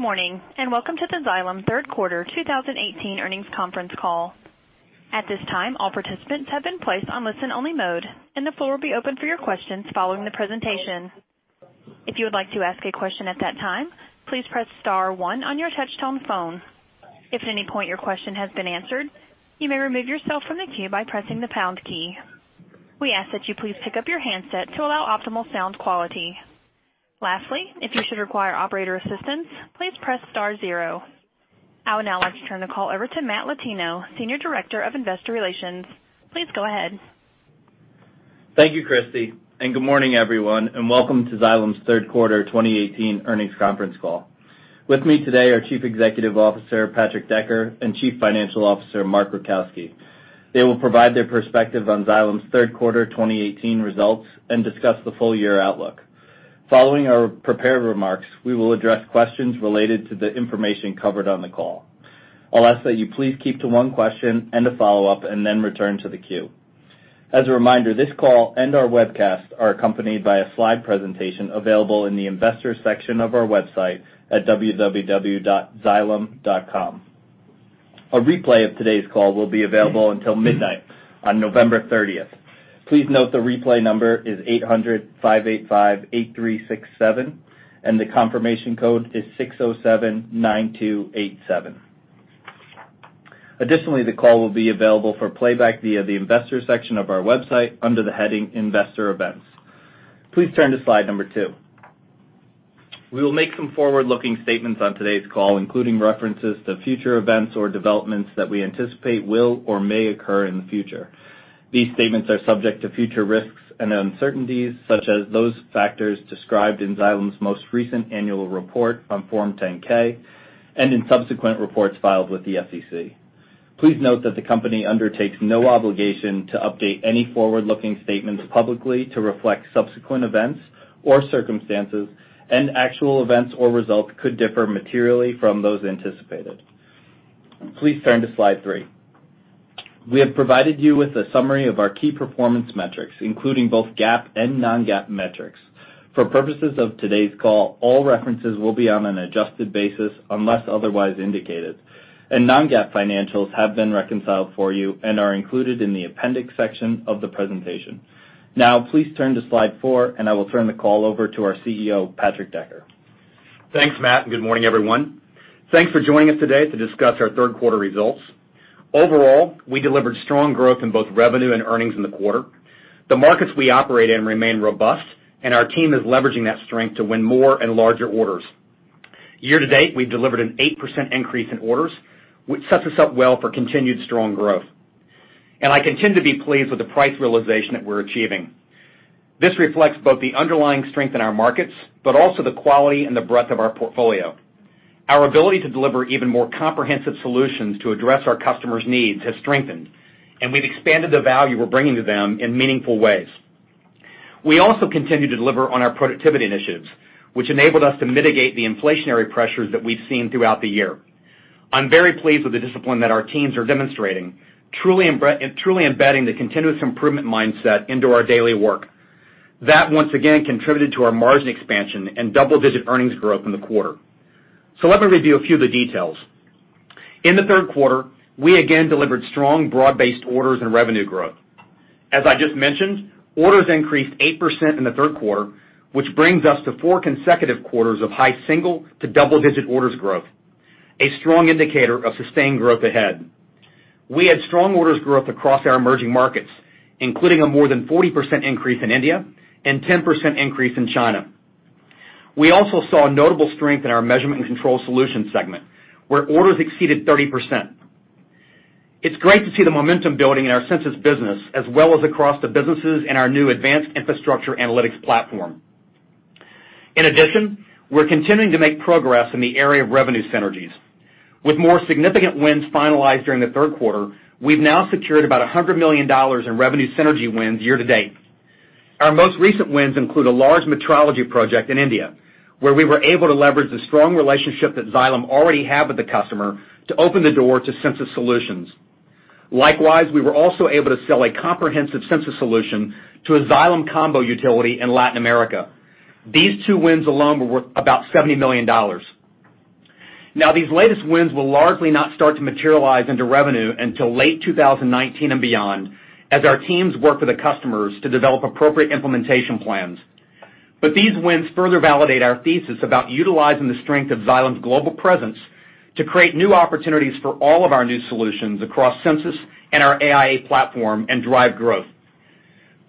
Good morning, and welcome to the Xylem third quarter 2018 earnings conference call. At this time, all participants have been placed on listen-only mode, and the floor will be open for your questions following the presentation. If you would like to ask a question at that time, please press star one on your touchtone phone. If at any point your question has been answered, you may remove yourself from the queue by pressing the pound key. We ask that you please pick up your handset to allow optimal sound quality. Lastly, if you should require operator assistance, please press star zero. I would now like to turn the call over to Matt Latino, Senior Director of Investor Relations. Please go ahead. Thank you, Christy, and good morning, everyone, and welcome to Xylem's third quarter 2018 earnings conference call. With me today are Chief Executive Officer, Patrick Decker, and Chief Financial Officer, Mark Rajkowski. They will provide their perspective on Xylem's third quarter 2018 results and discuss the full year outlook. Following our prepared remarks, we will address questions related to the information covered on the call. I will ask that you please keep to one question and a follow-up, and then return to the queue. As a reminder, this call and our webcast are accompanied by a slide presentation available in the Investors section of our website at www.xylem.com. A replay of today's call will be available until midnight on November 30th. Please note the replay number is 800-585-8367, and the confirmation code is 6079287. Additionally, the call will be available for playback via the Investors section of our website under the heading Investor Events. Please turn to slide number two. We will make some forward-looking statements on today's call, including references to future events or developments that we anticipate will or may occur in the future. These statements are subject to future risks and uncertainties, such as those factors described in Xylem's most recent annual report on Form 10-K and in subsequent reports filed with the SEC. Please note that the company undertakes no obligation to update any forward-looking statements publicly to reflect subsequent events or circumstances, and actual events or results could differ materially from those anticipated. Please turn to slide three. We have provided you with a summary of our key performance metrics, including both GAAP and non-GAAP metrics. For purposes of today's call, all references will be on an adjusted basis unless otherwise indicated, and non-GAAP financials have been reconciled for you and are included in the appendix section of the presentation. Now, please turn to slide four, and I will turn the call over to our CEO, Patrick Decker. Thanks, Matt, and good morning, everyone. Thanks for joining us today to discuss our third quarter results. Overall, we delivered strong growth in both revenue and earnings in the quarter. The markets we operate in remain robust, and our team is leveraging that strength to win more and larger orders. Year-to-date, we've delivered an 8% increase in orders, which sets us up well for continued strong growth. I continue to be pleased with the price realization that we're achieving. This reflects both the underlying strength in our markets, but also the quality and the breadth of our portfolio. Our ability to deliver even more comprehensive solutions to address our customers' needs has strengthened, and we've expanded the value we're bringing to them in meaningful ways. We also continue to deliver on our productivity initiatives, which enabled us to mitigate the inflationary pressures that we've seen throughout the year. I'm very pleased with the discipline that our teams are demonstrating, truly embedding the continuous improvement mindset into our daily work. That, once again, contributed to our margin expansion and double-digit earnings growth in the quarter. Let me review a few of the details. In the third quarter, we again delivered strong broad-based orders and revenue growth. As I just mentioned, orders increased 8% in the third quarter, which brings us to four consecutive quarters of high single to double-digit orders growth, a strong indicator of sustained growth ahead. We had strong orders growth across our emerging markets, including a more than 40% increase in India and 10% increase in China. We also saw notable strength in our Measurement & Control Solutions segment, where orders exceeded 30%. It's great to see the momentum building in our Sensus business, as well as across the businesses in our new Advanced Infrastructure Analytics platform. In addition, we're continuing to make progress in the area of revenue synergies. With more significant wins finalized during the third quarter, we've now secured about $100 million in revenue synergy wins year to date. Our most recent wins include a large metrology project in India, where we were able to leverage the strong relationship that Xylem already had with the customer to open the door to Sensus solutions. Likewise, we were also able to sell a comprehensive Sensus solution to a Xylem combo utility in Latin America. These two wins alone were worth about $70 million. Now, these latest wins will largely not start to materialize into revenue until late 2019 and beyond, as our teams work with the customers to develop appropriate implementation plans. These wins further validate our thesis about utilizing the strength of Xylem's global presence to create new opportunities for all of our new solutions across Sensus and our AIA platform, and drive growth.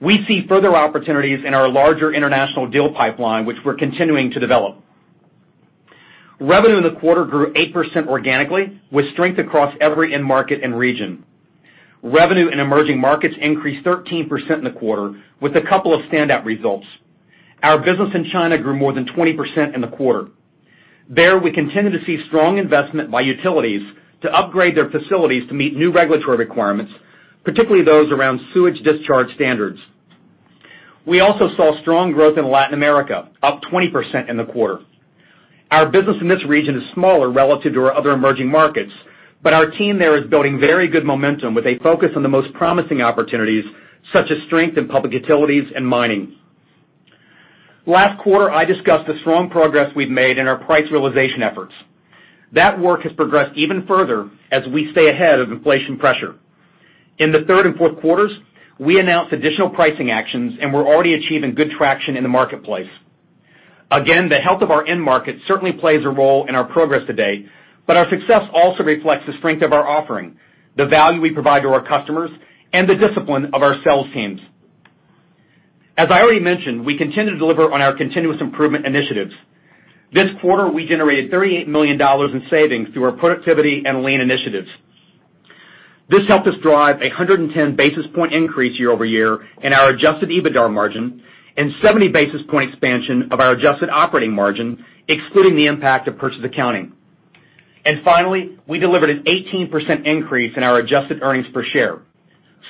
We see further opportunities in our larger international deal pipeline, which we're continuing to develop. Revenue in the quarter grew 8% organically, with strength across every end market and region. Revenue in emerging markets increased 13% in the quarter, with a couple of standout results. Our business in China grew more than 20% in the quarter. There, we continue to see strong investment by utilities to upgrade their facilities to meet new regulatory requirements, particularly those around sewage discharge standards. We also saw strong growth in Latin America, up 20% in the quarter. Our business in this region is smaller relative to our other emerging markets. Our team there is building very good momentum with a focus on the most promising opportunities, such as strength in public utilities and mining. Last quarter, I discussed the strong progress we've made in our price realization efforts. That work has progressed even further as we stay ahead of inflation pressure. In the third and fourth quarters, we announced additional pricing actions, and we're already achieving good traction in the marketplace. Again, the health of our end market certainly plays a role in our progress today, but our success also reflects the strength of our offering, the value we provide to our customers, and the discipline of our sales teams. As I already mentioned, we continue to deliver on our continuous improvement initiatives. This quarter, we generated $38 million in savings through our productivity and Lean initiatives. This helped us drive 110 basis point increase year-over-year in our adjusted EBITDA margin and 70 basis point expansion of our adjusted operating margin, excluding the impact of purchase accounting. Finally, we delivered an 18% increase in our adjusted earnings per share.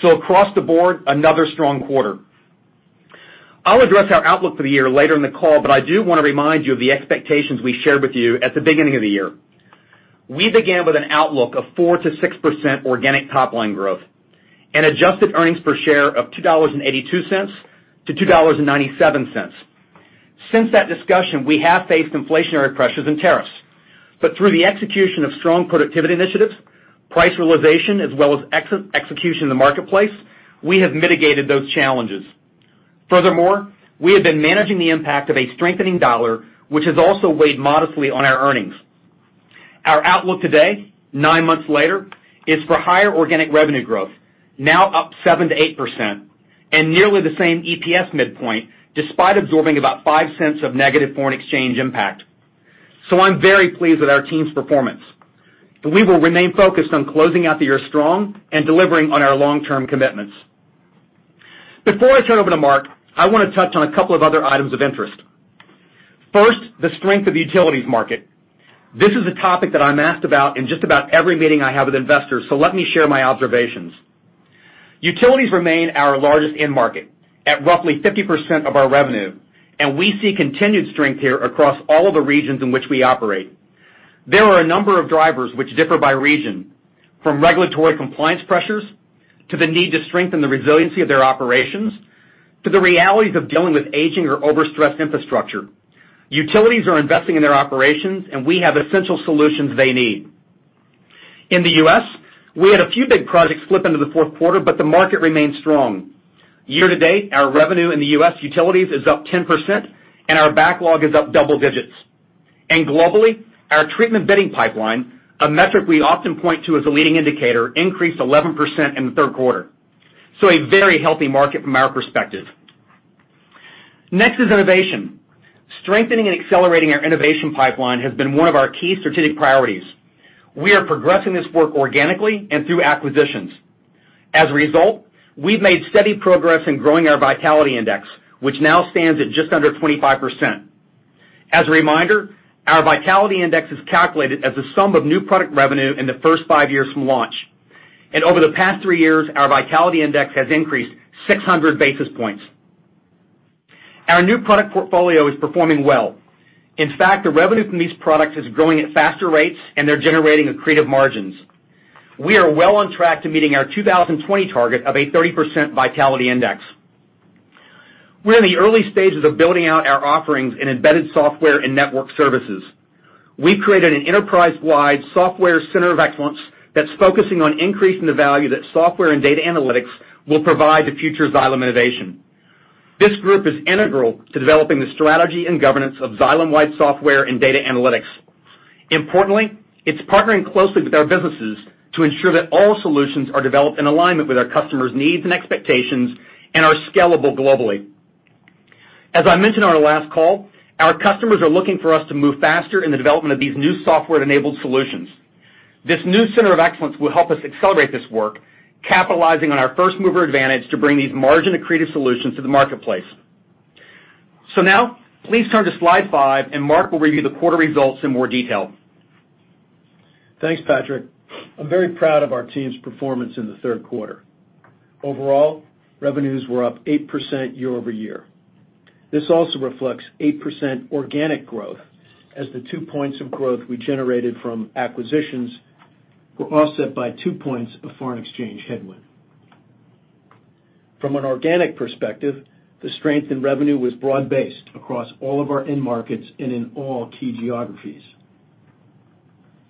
Across the board, another strong quarter. I'll address our outlook for the year later in the call, but I do want to remind you of the expectations we shared with you at the beginning of the year. We began with an outlook of 4%-6% organic top line growth and adjusted earnings per share of $2.82-$2.97. Since that discussion, we have faced inflationary pressures and tariffs. Through the execution of strong productivity initiatives, price realization, as well as execution in the marketplace, we have mitigated those challenges. We have been managing the impact of a strengthening dollar, which has also weighed modestly on our earnings. Our outlook today, nine months later, is for higher organic revenue growth, now up 7%-8%, and nearly the same EPS midpoint, despite absorbing about $0.05 of negative foreign exchange impact. I'm very pleased with our team's performance, and we will remain focused on closing out the year strong and delivering on our long-term commitments. Before I turn over to Mark, I want to touch on a couple of other items of interest. First, the strength of the utilities market. This is a topic that I'm asked about in just about every meeting I have with investors, so let me share my observations. Utilities remain our largest end market at roughly 50% of our revenue. We see continued strength here across all of the regions in which we operate. There are a number of drivers which differ by region, from regulatory compliance pressures, to the need to strengthen the resiliency of their operations, to the realities of dealing with aging or overstressed infrastructure. Utilities are investing in their operations, and we have essential solutions they need. In the U.S., we had a few big projects slip into the fourth quarter, but the market remains strong. Year-to-date, our revenue in the U.S. utilities is up 10%, and our backlog is up double digits. Globally, our treatment bidding pipeline, a metric we often point to as a leading indicator, increased 11% in the third quarter. A very healthy market from our perspective. Next is innovation. Strengthening and accelerating our innovation pipeline has been one of our key strategic priorities. We are progressing this work organically and through acquisitions. As a result, we've made steady progress in growing our vitality index, which now stands at just under 25%. As a reminder, our vitality index is calculated as the sum of new product revenue in the first five years from launch. Over the past three years, our vitality index has increased 600 basis points. Our new product portfolio is performing well. In fact, the revenue from these products is growing at faster rates, and they're generating accretive margins. We are well on track to meeting our 2020 target of a 30% vitality index. We're in the early stages of building out our offerings in embedded software and network services. We've created an enterprise-wide software center of excellence that's focusing on increasing the value that software and data analytics will provide to future Xylem innovation. This group is integral to developing the strategy and governance of Xylem-wide software and data analytics. Importantly, it's partnering closely with our businesses to ensure that all solutions are developed in alignment with our customers' needs and expectations and are scalable globally. As I mentioned on our last call, our customers are looking for us to move faster in the development of these new software-enabled solutions. This new center of excellence will help us accelerate this work, capitalizing on our first-mover advantage to bring these margin-accretive solutions to the marketplace. Now, please turn to slide five, Mark will review the quarter results in more detail. Thanks, Patrick. I'm very proud of our team's performance in the third quarter. Overall, revenues were up 8% year over year. This also reflects 8% organic growth, as the two points of growth we generated from acquisitions were offset by two points of foreign exchange headwind. From an organic perspective, the strength in revenue was broad-based across all of our end markets and in all key geographies.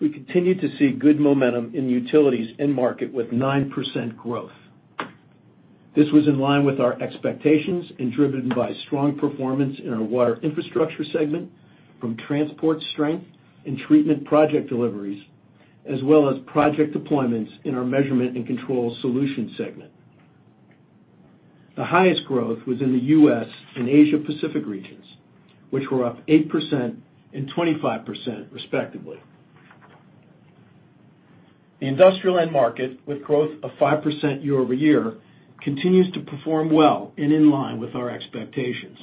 We continued to see good momentum in utilities end market with 9% growth. This was in line with our expectations and driven by strong performance in our Water Infrastructure segment from transport strength and treatment project deliveries, as well as project deployments in our Measurement & Control Solutions segment. The highest growth was in the U.S. and Asia Pacific regions, which were up 8% and 25% respectively. The Industrial end market, with growth of 5% year over year, continues to perform well and in line with our expectations.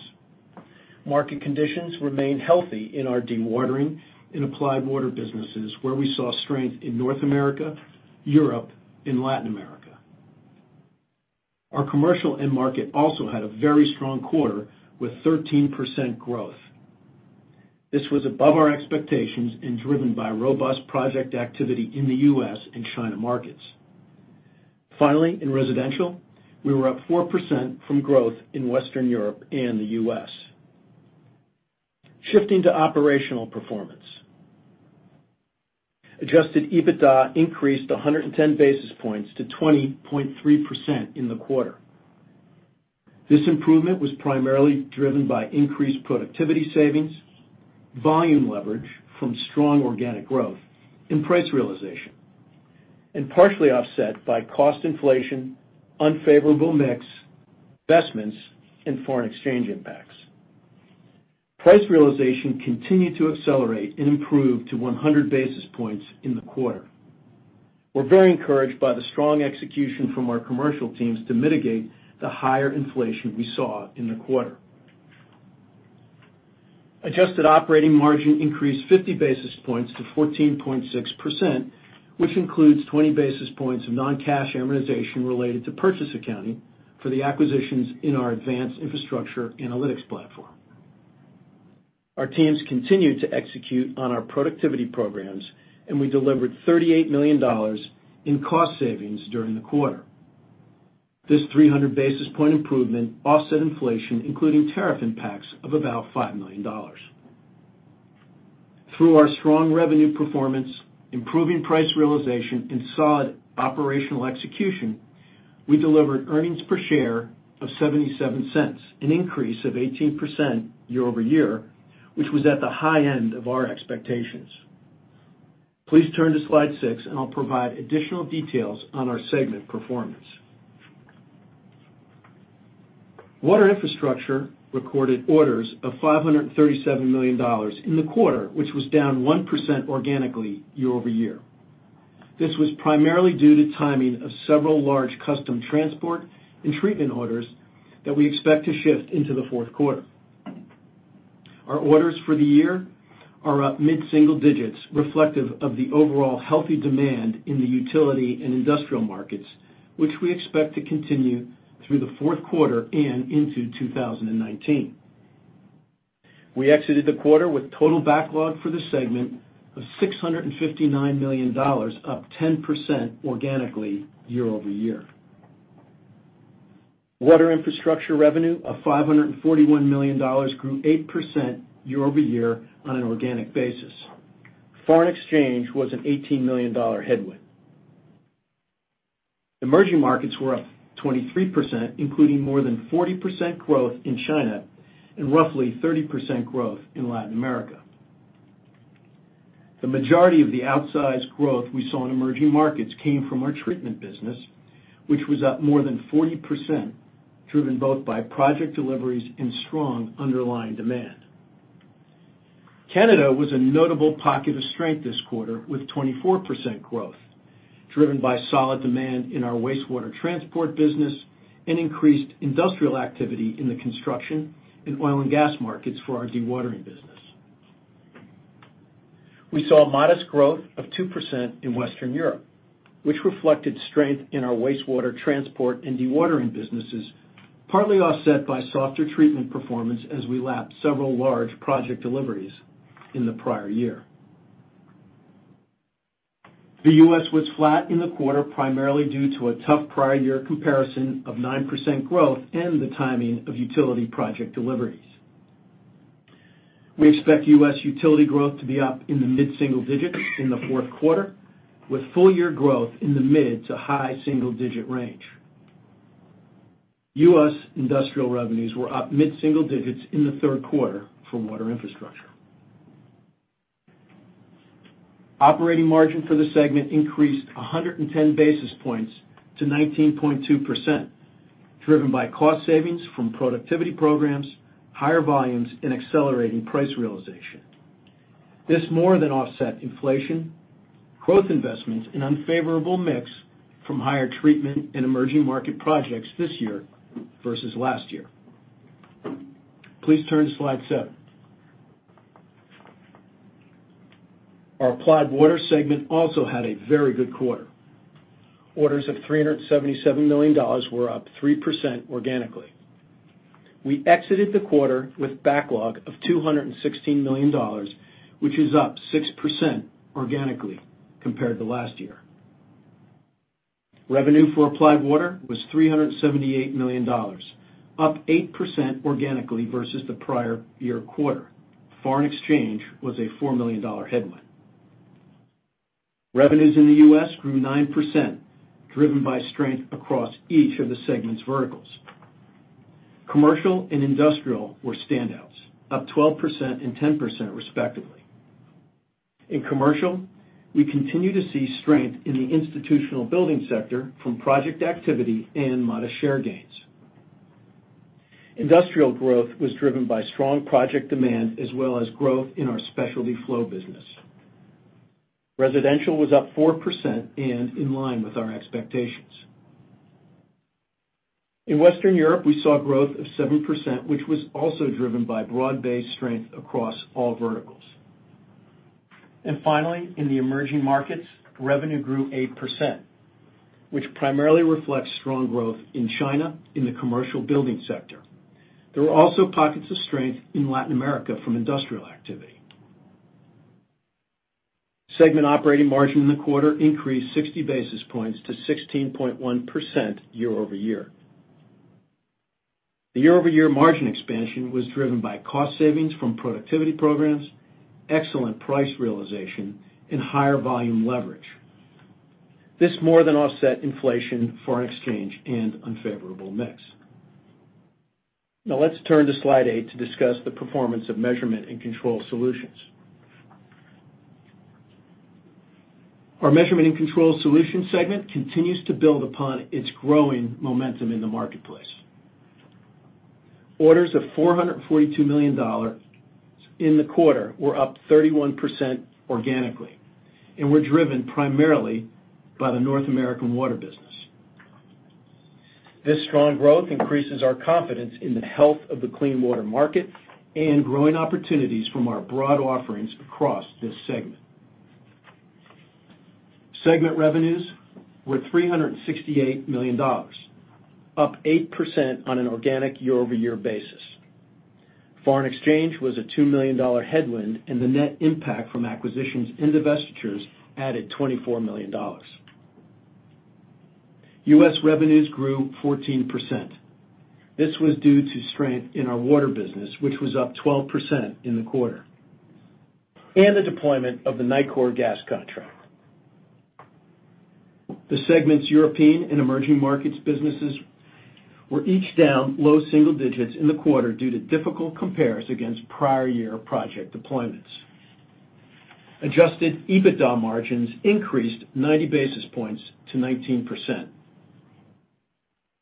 Market conditions remain healthy in our dewatering and Applied Water businesses, where we saw strength in North America, Europe, and Latin America. Our Commercial end market also had a very strong quarter with 13% growth. This was above our expectations and driven by robust project activity in the U.S. and China markets. Finally, in Residential, we were up 4% from growth in Western Europe and the U.S. Shifting to operational performance. Adjusted EBITDA increased 110 basis points to 20.3% in the quarter. This improvement was primarily driven by increased productivity savings, volume leverage from strong organic growth and price realization, and partially offset by cost inflation, unfavorable mix, investments, and foreign exchange impacts. Price realization continued to accelerate and improve to 100 basis points in the quarter. We're very encouraged by the strong execution from our commercial teams to mitigate the higher inflation we saw in the quarter. Adjusted operating margin increased 50 basis points to 14.6%, which includes 20 basis points of non-cash amortization related to purchase accounting for the acquisitions in our Advanced Infrastructure Analytics platform. Our teams continued to execute on our productivity programs. We delivered $38 million in cost savings during the quarter. This 300 basis point improvement offset inflation, including tariff impacts of about $5 million. Through our strong revenue performance, improving price realization and solid operational execution, we delivered earnings per share of $0.77, an increase of 18% year-over-year, which was at the high end of our expectations. Please turn to slide seven. I'll provide additional details on our segment performance. Water Infrastructure recorded orders of $537 million in the quarter, which was down 1% organically year-over-year. This was primarily due to timing of several large custom transport and treatment orders that we expect to shift into the fourth quarter. Our orders for the year are up mid-single digits, reflective of the overall healthy demand in the utility and industrial markets, which we expect to continue through the fourth quarter and into 2019. We exited the quarter with total backlog for the segment of $659 million, up 10% organically year-over-year. Water Infrastructure revenue of $541 million grew 8% year-over-year on an organic basis. Foreign exchange was an $18 million headwind. Emerging markets were up 23%, including more than 40% growth in China and roughly 30% growth in Latin America. The majority of the outsized growth we saw in emerging markets came from our treatment business, which was up more than 40%, driven both by project deliveries and strong underlying demand. Canada was a notable pocket of strength this quarter with 24% growth, driven by solid demand in our wastewater transport business and increased industrial activity in the construction and oil and gas markets for our dewatering business. We saw modest growth of 2% in Western Europe, which reflected strength in our wastewater transport and dewatering businesses, partly offset by softer treatment performance as we lapped several large project deliveries in the prior year. The U.S. was flat in the quarter, primarily due to a tough prior year comparison of 9% growth and the timing of utility project deliveries. We expect U.S. utility growth to be up in the mid-single digits in the fourth quarter with full-year growth in the mid to high single-digit range. U.S. industrial revenues were up mid-single digits in the third quarter for Water Infrastructure. Operating margin for the segment increased 110 basis points to 19.2%, driven by cost savings from productivity programs, higher volumes and accelerating price realization. This more than offset inflation, growth investments and unfavorable mix from higher treatment in emerging market projects this year versus last year. Please turn to slide seven. Our Applied Water segment also had a very good quarter. Orders of $377 million were up 3% organically. We exited the quarter with backlog of $216 million, which is up 6% organically compared to last year. Revenue for Applied Water was $378 million, up 8% organically versus the prior year quarter. Foreign exchange was a $4 million headwind. Revenues in the U.S. grew 9%, driven by strength across each of the segment's verticals. Commercial and industrial were standouts, up 12% and 10% respectively. In commercial, we continue to see strength in the institutional building sector from project activity and modest share gains. Industrial growth was driven by strong project demand as well as growth in our specialty flow business. Residential was up 4% and in line with our expectations. In Western Europe, we saw growth of 7%, which was also driven by broad-based strength across all verticals. Finally, in the emerging markets, revenue grew 8%, which primarily reflects strong growth in China in the commercial building sector. There were also pockets of strength in Latin America from industrial activity. Segment operating margin in the quarter increased 60 basis points to 16.1% year-over-year. The year-over-year margin expansion was driven by cost savings from productivity programs, excellent price realization, and higher volume leverage. This more than offset inflation, foreign exchange, and unfavorable mix. Now let's turn to slide eight to discuss the performance of Measurement & Control Solutions. Our Measurement & Control Solutions segment continues to build upon its growing momentum in the marketplace. Orders of $442 million in the quarter were up 31% organically and were driven primarily by the North American water business. This strong growth increases our confidence in the health of the clean water market and growing opportunities from our broad offerings across this segment. Segment revenues were $368 million, up 8% on an organic year-over-year basis. Foreign exchange was a $2 million headwind, and the net impact from acquisitions and divestitures added $24 million. U.S. revenues grew 14%. This was due to strength in our water business, which was up 12% in the quarter, and the deployment of the Nicor Gas contract. The segment's European and emerging markets businesses were each down low single digits in the quarter due to difficult compares against prior year project deployments. Adjusted EBITDA margins increased 90 basis points to 19%.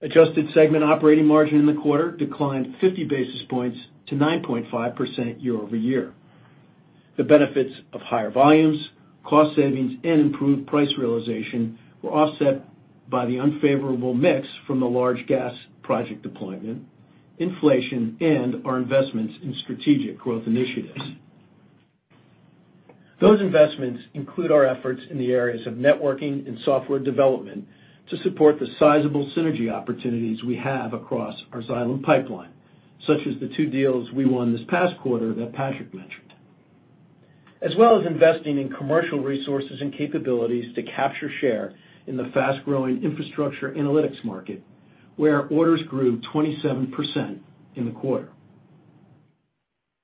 Adjusted segment operating margin in the quarter declined 50 basis points to 9.5% year-over-year. The benefits of higher volumes, cost savings, and improved price realization were offset by the unfavorable mix from the large gas project deployment, inflation, and our investments in strategic growth initiatives. Those investments include our efforts in the areas of networking and software development to support the sizable synergy opportunities we have across our Xylem pipeline, such as the two deals we won this past quarter that Patrick mentioned. As well as investing in commercial resources and capabilities to capture share in the fast growing infrastructure analytics market, where orders grew 27% in the quarter.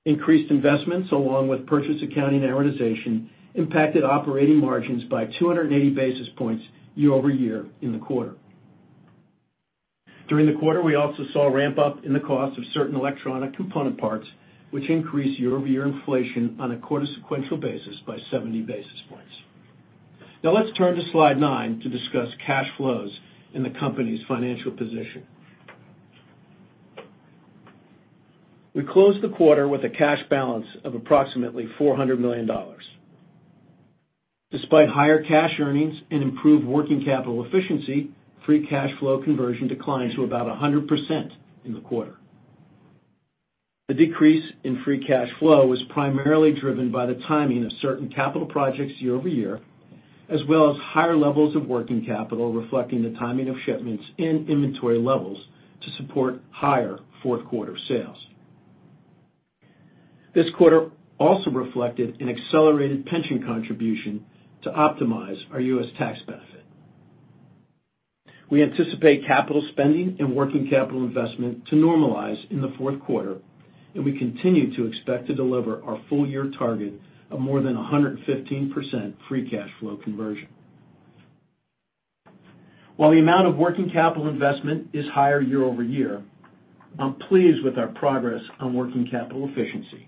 Increased investments, along with purchase accounting amortization, impacted operating margins by 280 basis points year-over-year in the quarter. During the quarter, we also saw a ramp up in the cost of certain electronic component parts, which increased year-over-year inflation on a quarter sequential basis by 70 basis points. Now let's turn to slide nine to discuss cash flows and the company's financial position. We closed the quarter with a cash balance of approximately $400 million. Despite higher cash earnings and improved working capital efficiency, free cash flow conversion declined to about 100% in the quarter. The decrease in free cash flow was primarily driven by the timing of certain capital projects year-over-year, as well as higher levels of working capital reflecting the timing of shipments and inventory levels to support higher fourth quarter sales. This quarter also reflected an accelerated pension contribution to optimize our U.S. tax benefit. We anticipate capital spending and working capital investment to normalize in the fourth quarter. We continue to expect to deliver our full year target of more than 115% free cash flow conversion. While the amount of working capital investment is higher year-over-year, I'm pleased with our progress on working capital efficiency.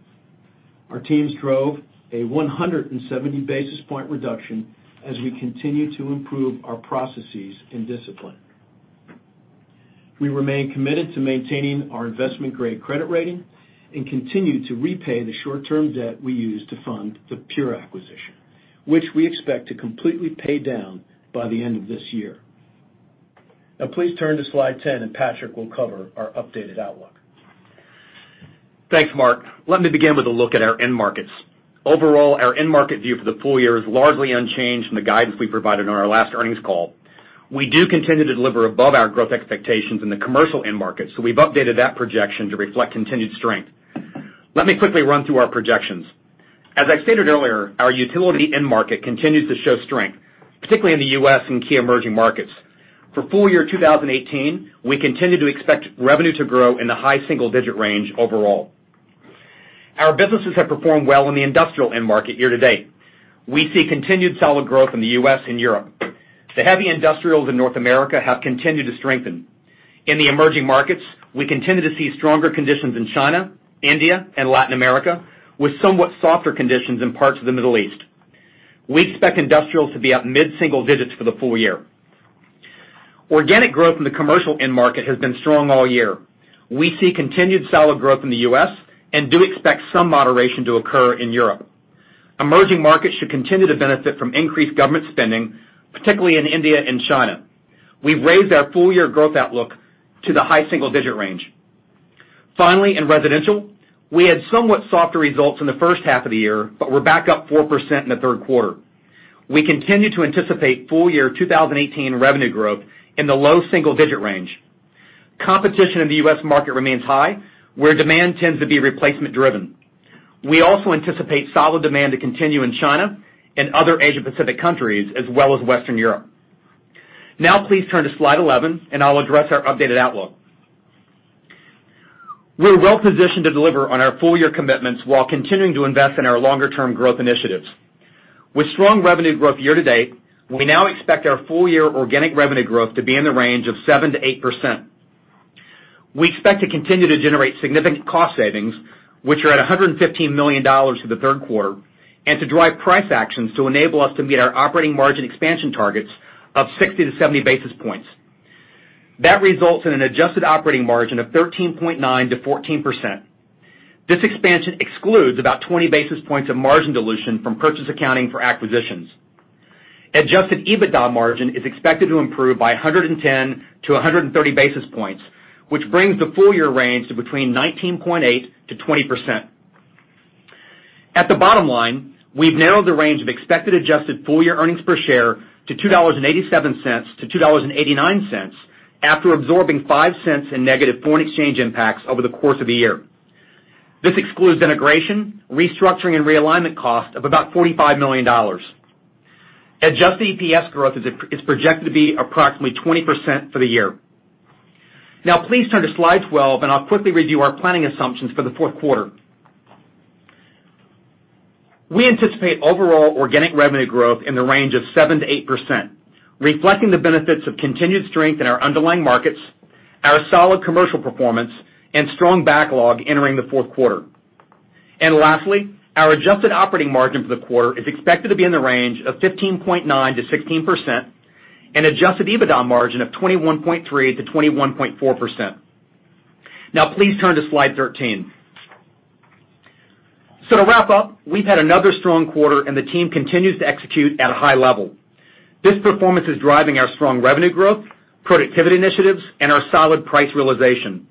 Our teams drove a 170 basis point reduction as we continue to improve our processes and discipline. We remain committed to maintaining our investment grade credit rating and continue to repay the short term debt we used to fund the Pure acquisition, which we expect to completely pay down by the end of this year. Now, please turn to slide 10. Patrick will cover our updated outlook. Thanks, Mark. Let me begin with a look at our end markets. Overall, our end market view for the full year is largely unchanged from the guidance we provided on our last earnings call. We do continue to deliver above our growth expectations in the commercial end market. We've updated that projection to reflect continued strength. Let me quickly run through our projections. As I stated earlier, our utility end market continues to show strength, particularly in the U.S. and key emerging markets. For full year 2018, we continue to expect revenue to grow in the high single-digit range overall. Our businesses have performed well in the industrial end market year-to-date. We see continued solid growth in the U.S. and Europe. The heavy industrials in North America have continued to strengthen. In the emerging markets, we continue to see stronger conditions in China, India, and Latin America, with somewhat softer conditions in parts of the Middle East. We expect industrials to be up mid-single digits for the full year. Organic growth in the commercial end market has been strong all year. We see continued solid growth in the U.S. and do expect some moderation to occur in Europe. Emerging markets should continue to benefit from increased government spending, particularly in India and China. We've raised our full year growth outlook to the high single-digit range. Finally, in residential, we had somewhat softer results in the first half of the year. We're back up 4% in the third quarter. We continue to anticipate full-year 2018 revenue growth in the low single-digit range. Competition in the U.S. market remains high, where demand tends to be replacement driven. We also anticipate solid demand to continue in China and other Asia-Pacific countries, as well as Western Europe. Now please turn to slide 11. I'll address our updated outlook. We're well-positioned to deliver on our full-year commitments while continuing to invest in our longer-term growth initiatives. With strong revenue growth year-to-date, we now expect our full-year organic revenue growth to be in the range of 7%-8%. We expect to continue to generate significant cost savings, which are at $115 million for the third quarter. We drive price actions to enable us to meet our operating margin expansion targets of 60 to 70 basis points. That results in an adjusted operating margin of 13.9%-14%. This expansion excludes about 20 basis points of margin dilution from purchase accounting for acquisitions. Adjusted EBITDA margin is expected to improve by 110-130 basis points, which brings the full-year range to between 19.8%-20%. At the bottom line, we've narrowed the range of expected adjusted full-year earnings per share to $2.87-$2.89 after absorbing $0.05 in negative foreign exchange impacts over the course of the year. This excludes integration, restructuring, and realignment cost of about $45 million. Adjusted EPS growth is projected to be approximately 20% for the year. Please turn to slide 12, and I'll quickly review our planning assumptions for the fourth quarter. We anticipate overall organic revenue growth in the range of 7%-8%, reflecting the benefits of continued strength in our underlying markets, our solid commercial performance, and strong backlog entering the fourth quarter. Lastly, our adjusted operating margin for the quarter is expected to be in the range of 15.9%-16% and adjusted EBITDA margin of 21.3%-21.4%. Please turn to slide 13. To wrap up, we've had another strong quarter, and the team continues to execute at a high level. This performance is driving our strong revenue growth, productivity initiatives, and our solid price realization.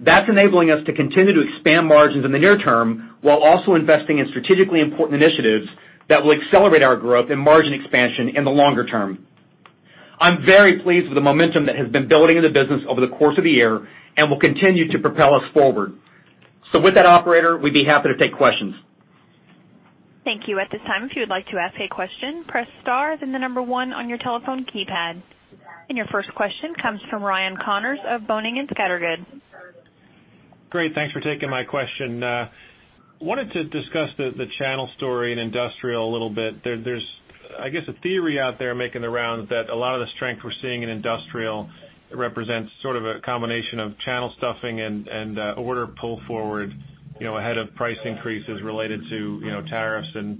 That's enabling us to continue to expand margins in the near term while also investing in strategically important initiatives that will accelerate our growth and margin expansion in the longer term. I'm very pleased with the momentum that has been building in the business over the course of the year and will continue to propel us forward. With that, operator, we'd be happy to take questions. Thank you. At this time, if you would like to ask a question, press star, then the number one on your telephone keypad. Your first question comes from Ryan Connors of Boenning & Scattergood. Great. Thanks for taking my question. I wanted to discuss the channel story in industrial a little bit. There's, I guess, a theory out there making the rounds that a lot of the strength we're seeing in industrial represents sort of a combination of channel stuffing and order pull forward ahead of price increases related to tariffs and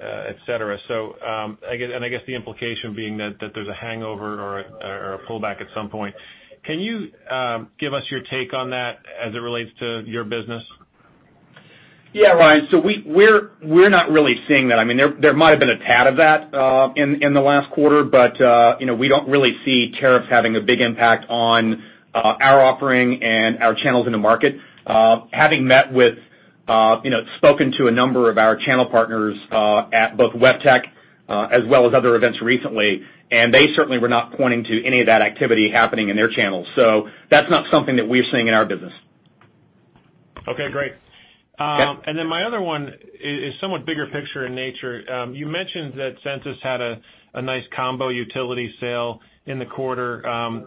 et cetera. I guess the implication being that there's a hangover or a pullback at some point. Can you give us your take on that as it relates to your business? Yeah, Ryan. We're not really seeing that. There might have been a tad of that in the last quarter, but we don't really see tariffs having a big impact on our offering and our channels in the market. Having met with, spoken to a number of our channel partners at both WEFTEC as well as other events recently, and they certainly were not pointing to any of that activity happening in their channels. That's not something that we're seeing in our business. Okay, great. Yeah. My other one is somewhat bigger picture in nature. You mentioned that Sensus had a nice combo utility sale in the quarter.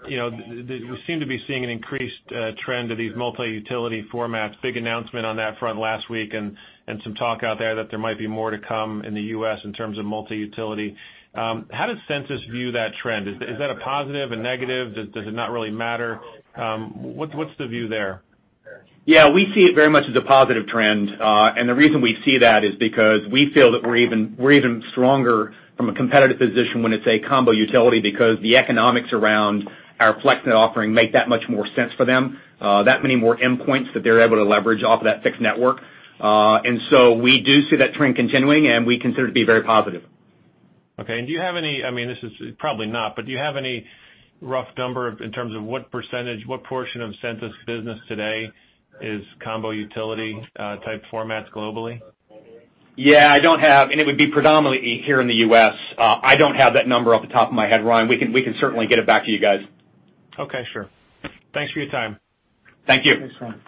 We seem to be seeing an increased trend of these multi-utility formats. Big announcement on that front last week and some talk out there that there might be more to come in the U.S. in terms of multi-utility. How does Sensus view that trend? Is that a positive, a negative? Does it not really matter? What's the view there? Yeah, we see it very much as a positive trend. The reason we see that is because we feel that we're even stronger from a competitive position when it's a combo utility because the economics around our FlexNet offering make that much more sense for them. That many more endpoints that they're able to leverage off of that fixed network. We do see that trend continuing, and we consider it to be very positive. Okay. Do you have any, this is probably not, but do you have any rough number in terms of what %, what portion of Sensus business today is combo utility type formats globally? Yeah, I don't have, it would be predominantly here in the U.S. I don't have that number off the top of my head, Ryan. We can certainly get it back to you guys. Okay, sure. Thanks for your time. Thank you. Thanks, Ryan.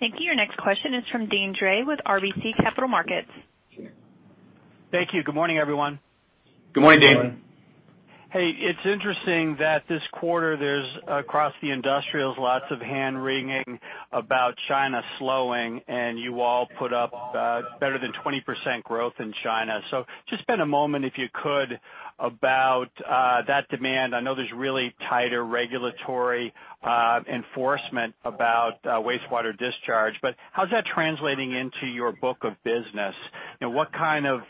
Thank you. Your next question is from Deane Dray with RBC Capital Markets. Thank you. Good morning, everyone. Good morning, Deane. It's interesting that this quarter there's, across the industrials, lots of hand-wringing about China slowing, and you all put up better than 20% growth in China. Just spend a moment, if you could, about that demand. I know there's really tighter regulatory enforcement about wastewater discharge, how's that translating into your book of business? What kind of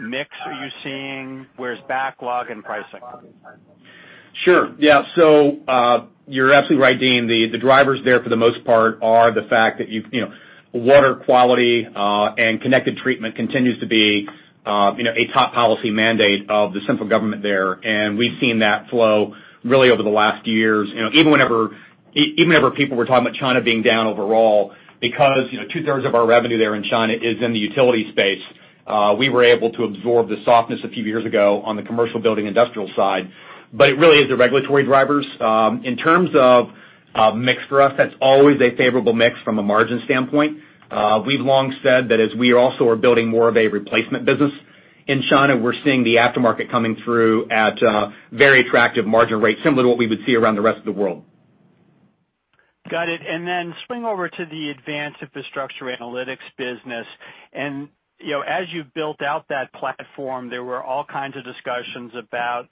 mix are you seeing? Where's backlog and pricing? Sure. Yeah. You're absolutely right, Deane. The drivers there, for the most part, are the fact that water quality and connected treatment continues to be a top policy mandate of the central government there. We've seen that flow really over the last years. Even if our people were talking about China being down overall, because two-thirds of our revenue there in China is in the utility space, we were able to absorb the softness a few years ago on the commercial building industrial side. It really is the regulatory drivers. In terms of mix for us, that's always a favorable mix from a margin standpoint. We've long said that as we also are building more of a replacement business in China, we're seeing the aftermarket coming through at very attractive margin rates, similar to what we would see around the rest of the world. Got it. Swing over to the Advanced Infrastructure Analytics business. As you've built out that platform, there were all kinds of discussions about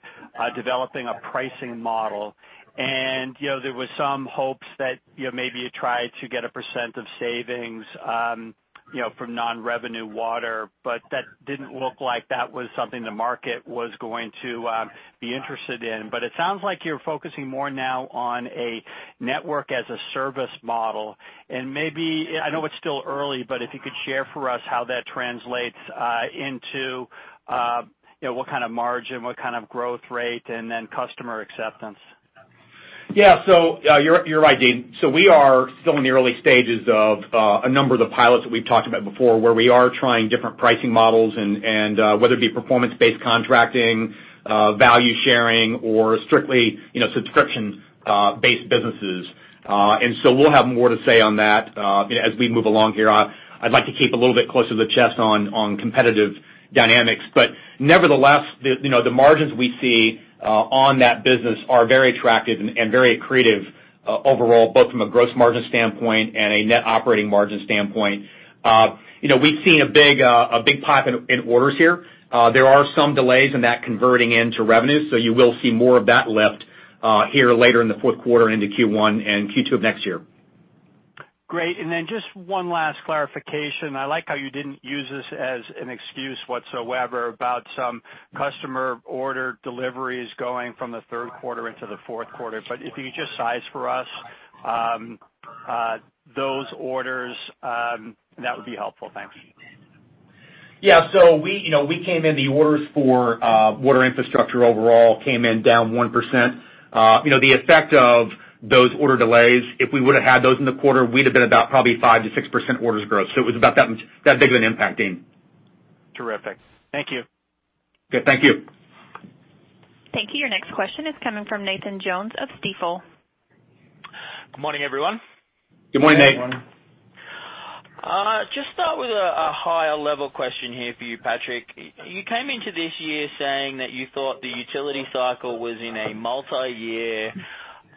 developing a pricing model. There was some hopes that maybe you try to get a % of savings from non-revenue water, that didn't look like that was something the market was going to be interested in. It sounds like you're focusing more now on a network as a service model, and maybe, I know it's still early, but if you could share for us how that translates into what kind of margin, what kind of growth rate, and then customer acceptance? Yeah. You're right, Deane. We are still in the early stages of a number of the pilots that we've talked about before, where we are trying different pricing models and whether it be performance-based contracting, value sharing, or strictly subscription-based businesses. We'll have more to say on that as we move along here. I'd like to keep a little bit closer to the chest on competitive dynamics. Nevertheless, the margins we see on that business are very attractive and very accretive overall, both from a gross margin standpoint and a net operating margin standpoint. We've seen a big pipe in orders here. There are some delays in that converting into revenue, so you will see more of that lift here later in the fourth quarter into Q1 and Q2 of next year. Great. Just one last clarification. I like how you didn't use this as an excuse whatsoever about some customer order deliveries going from the third quarter into the fourth quarter, if you could just size for us those orders, that would be helpful. Thanks. Yeah. We came in, the orders for Water Infrastructure overall came in down 1%. The effect of those order delays, if we would've had those in the quarter, we'd have been about probably 5%-6% orders growth. It was about that big of an impact, Deane. Terrific. Thank you. Good. Thank you. Thank you. Your next question is coming from Nathan Jones of Stifel. Good morning, everyone. Good morning, Nate. Just start with a higher level question here for you, Patrick. You came into this year saying that you thought the utility cycle was in a multi-year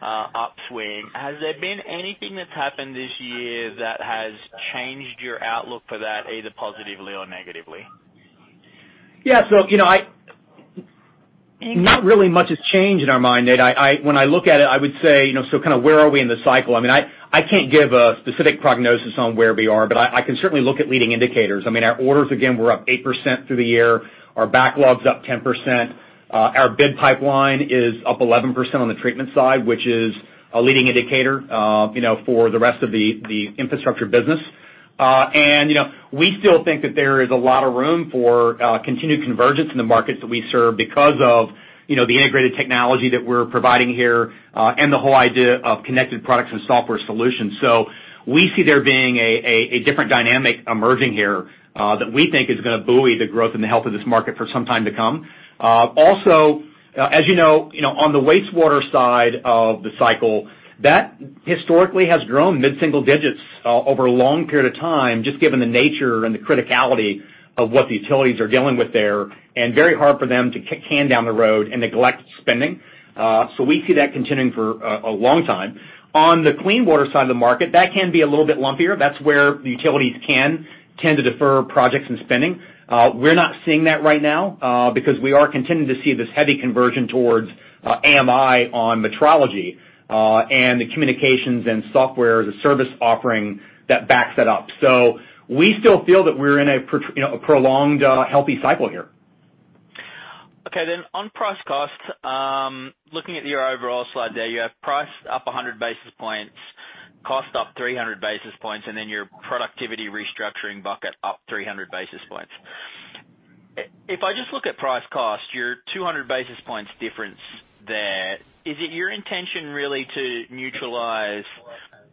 upswing. Has there been anything that's happened this year that has changed your outlook for that, either positively or negatively? Yeah. Not really much has changed in our mind, Nate. When I look at it, I would say, kind of where are we in the cycle? I can't give a specific prognosis on where we are, but I can certainly look at leading indicators. Our orders, again, were up 8% through the year. Our backlog's up 10%. Our bid pipeline is up 11% on the treatment side, which is a leading indicator for the rest of the Water Infrastructure business. We still think that there is a lot of room for continued convergence in the markets that we serve because of the integrated technology that we're providing here and the whole idea of connected products and software solutions. We see there being a different dynamic emerging here that we think is going to buoy the growth and the health of this market for some time to come. Also, as you know, on the wastewater side of the cycle, that historically has grown mid-single digits over a long period of time, just given the nature and the criticality of what the utilities are dealing with there, and very hard for them to kick the can down the road and neglect spending. We see that continuing for a long time. On the clean water side of the market, that can be a little bit lumpier. That's where the utilities can tend to defer projects and spending. We're not seeing that right now because we are continuing to see this heavy conversion towards AMI on metrology and the communications and software as a service offering that backs that up. We still feel that we're in a prolonged healthy cycle here. Okay, on price cost, looking at your overall slide there, you have price up 100 basis points, cost up 300 basis points, and your productivity restructuring bucket up 300 basis points. If I just look at price cost, your 200 basis points difference there, is it your intention really to neutralize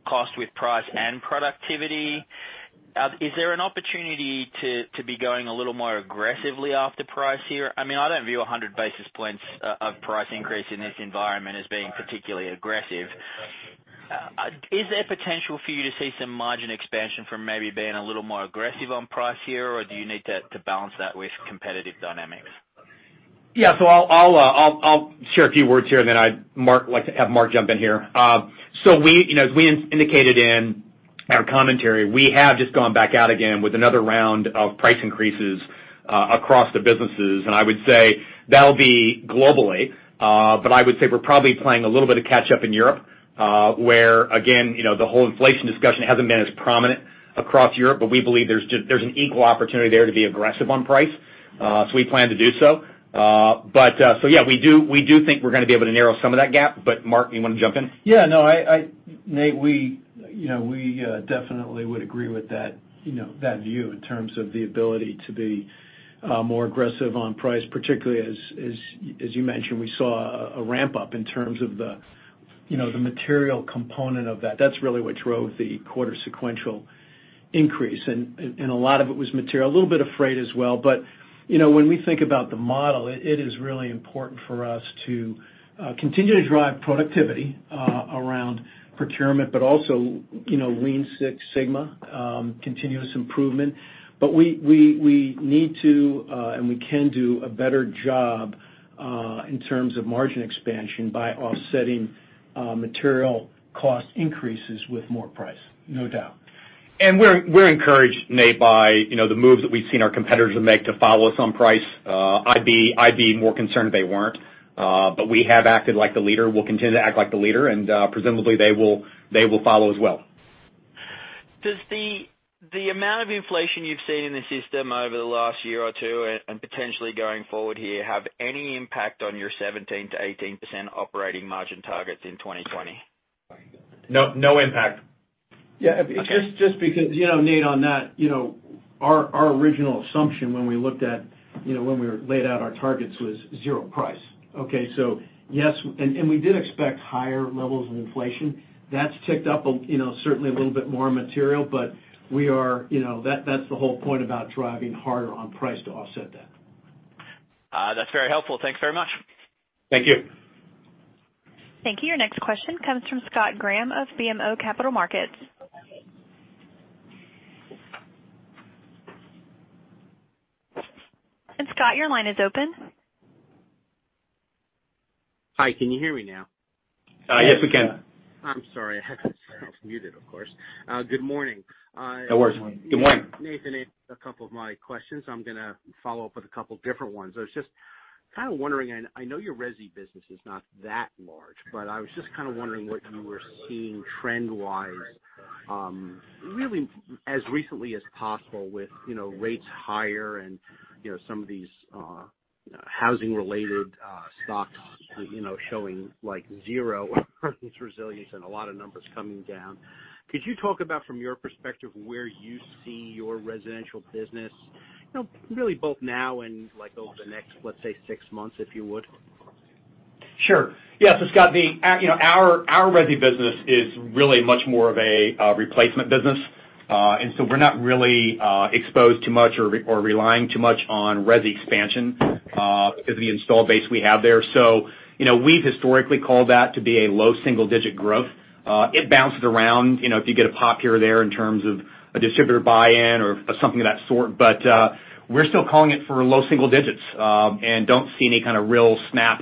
cost with price and productivity? Is there an opportunity to be going a little more aggressively after price here? I don't view 100 basis points of price increase in this environment as being particularly aggressive. Is there potential for you to see some margin expansion from maybe being a little more aggressive on price here, or do you need to balance that with competitive dynamics? I'll share a few words here, and then I'd like to have Mark jump in here. As we indicated in our commentary, we have just gone back out again with another round of price increases across the businesses. I would say that'll be globally, but I would say we're probably playing a little bit of catch up in Europe, where again, the whole inflation discussion hasn't been as prominent across Europe, but we believe there's an equal opportunity there to be aggressive on price. We plan to do so. Yeah, we do think we're going to be able to narrow some of that gap. Mark, you want to jump in? Nate, we definitely would agree with that view in terms of the ability to be more aggressive on price, particularly as you mentioned, we saw a ramp up in terms of the material component of that. That's really what drove the quarter sequential increase. A lot of it was material, a little bit of freight as well. When we think about the model, it is really important for us to continue to drive productivity around procurement, but also Lean Six Sigma, continuous improvement. We need to, and we can do a better job in terms of margin expansion by offsetting material cost increases with more price, no doubt. We're encouraged, Nate, by the moves that we've seen our competitors make to follow us on price. I'd be more concerned if they weren't. We have acted like the leader, we'll continue to act like the leader, and presumably they will follow as well. Does the amount of inflation you've seen in the system over the last year or two, and potentially going forward here, have any impact on your 17%-18% operating margin targets in 2020? No impact. Just because, Nate, on that, our original assumption when we laid out our targets was zero price. Okay, yes. We did expect higher levels of inflation. That's ticked up certainly a little bit more material, but that's the whole point about driving harder on price to offset that. That's very helpful. Thanks very much. Thank you. Thank you. Your next question comes from Scott Graham of BMO Capital Markets. Scott, your line is open. Hi, can you hear me now? Yes, we can. I'm sorry. I was muted, of course. Good morning. No worries. Good morning. Nathan answered a couple of my questions. I'm going to follow up with a couple of different ones. I know your resi business is not that large, but I was just kind of wondering what you were seeing trend-wise, really as recently as possible with rates higher and some of these housing-related stocks showing zero resilience and a lot of numbers coming down. Could you talk about from your perspective, where you see your residential business, really both now and over the next, let's say, six months, if you would? Sure. Yeah. Scott, our resi business is really much more of a replacement business. We're not really exposed too much or relying too much on resi expansion because of the installed base we have there. We've historically called that to be a low single-digit growth. It bounces around if you get a pop here or there in terms of a distributor buy-in or something of that sort. We're still calling it for low single digits and don't see any kind of real snap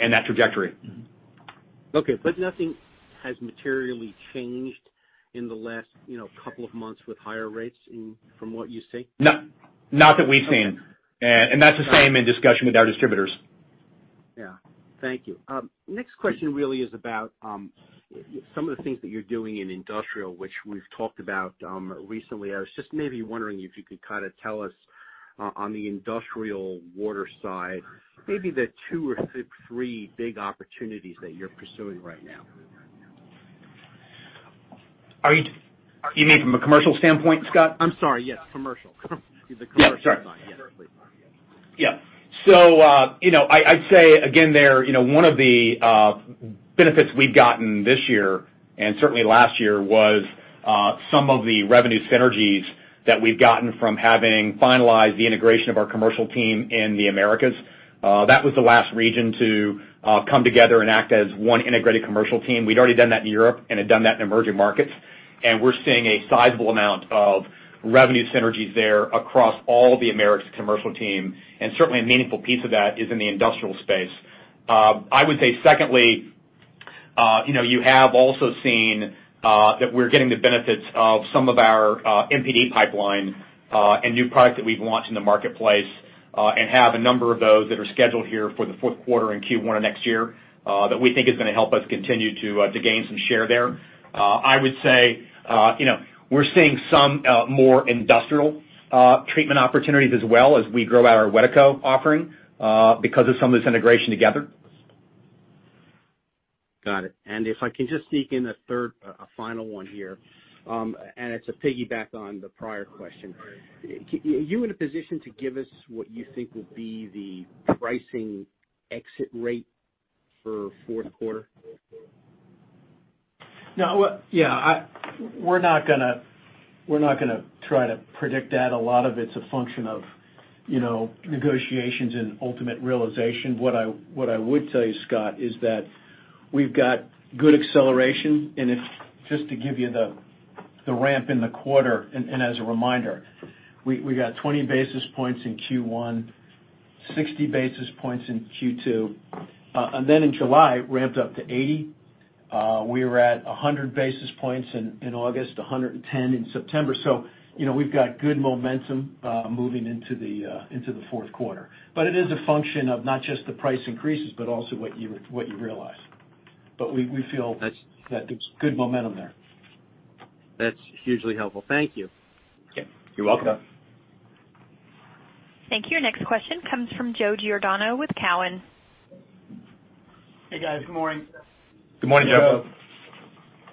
in that trajectory. Okay. Nothing has materially changed in the last couple of months with higher rates from what you see? No, not that we've seen. That's the same in discussion with our distributors. Yeah. Thank you. Next question really is about some of the things that you're doing in industrial, which we've talked about recently. I was just maybe wondering if you could kind of tell us on the industrial water side, maybe the two or three big opportunities that you're pursuing right now. You mean from a commercial standpoint, Scott? I'm sorry, yes, commercial. The commercial side. Yeah, sorry. Yes, please. Yeah. I'd say, again, one of the benefits we've gotten this year, and certainly last year, was some of the revenue synergies that we've gotten from having finalized the integration of our commercial team in the Americas. That was the last region to come together and act as one integrated commercial team. We'd already done that in Europe and had done that in emerging markets. We're seeing a sizable amount of revenue synergies there across all of the Americas commercial team, and certainly a meaningful piece of that is in the industrial space. I would say secondly, you have also seen that we're getting the benefits of some of our NPD pipeline and new product that we've launched in the marketplace and have a number of those that are scheduled here for the fourth quarter and Q1 of next year that we think is going to help us continue to gain some share there. I would say we're seeing some more industrial treatment opportunities as well as we grow our Wedeco offering because of some of this integration together. Got it. If I can just sneak in a third, a final one here, it's a piggyback on the prior question. Are you in a position to give us what you think will be the pricing exit rate for fourth quarter? Yeah. We're not going to try to predict that. A lot of it's a function of negotiations and ultimate realization. What I would tell you, Scott, is that we've got good acceleration, just to give you the ramp in the quarter, as a reminder, we got 20 basis points in Q1, 60 basis points in Q2. Then in July, ramped up to 80. We were at 100 basis points in August, 110 in September. We've got good momentum moving into the fourth quarter. It is a function of not just the price increases, also what you realize. We feel that there's good momentum there. That's hugely helpful. Thank you. Okay. You're welcome. Thank you. Next question comes from Joe Giordano with Cowen. Hey, guys. Good morning. Good morning, Joe.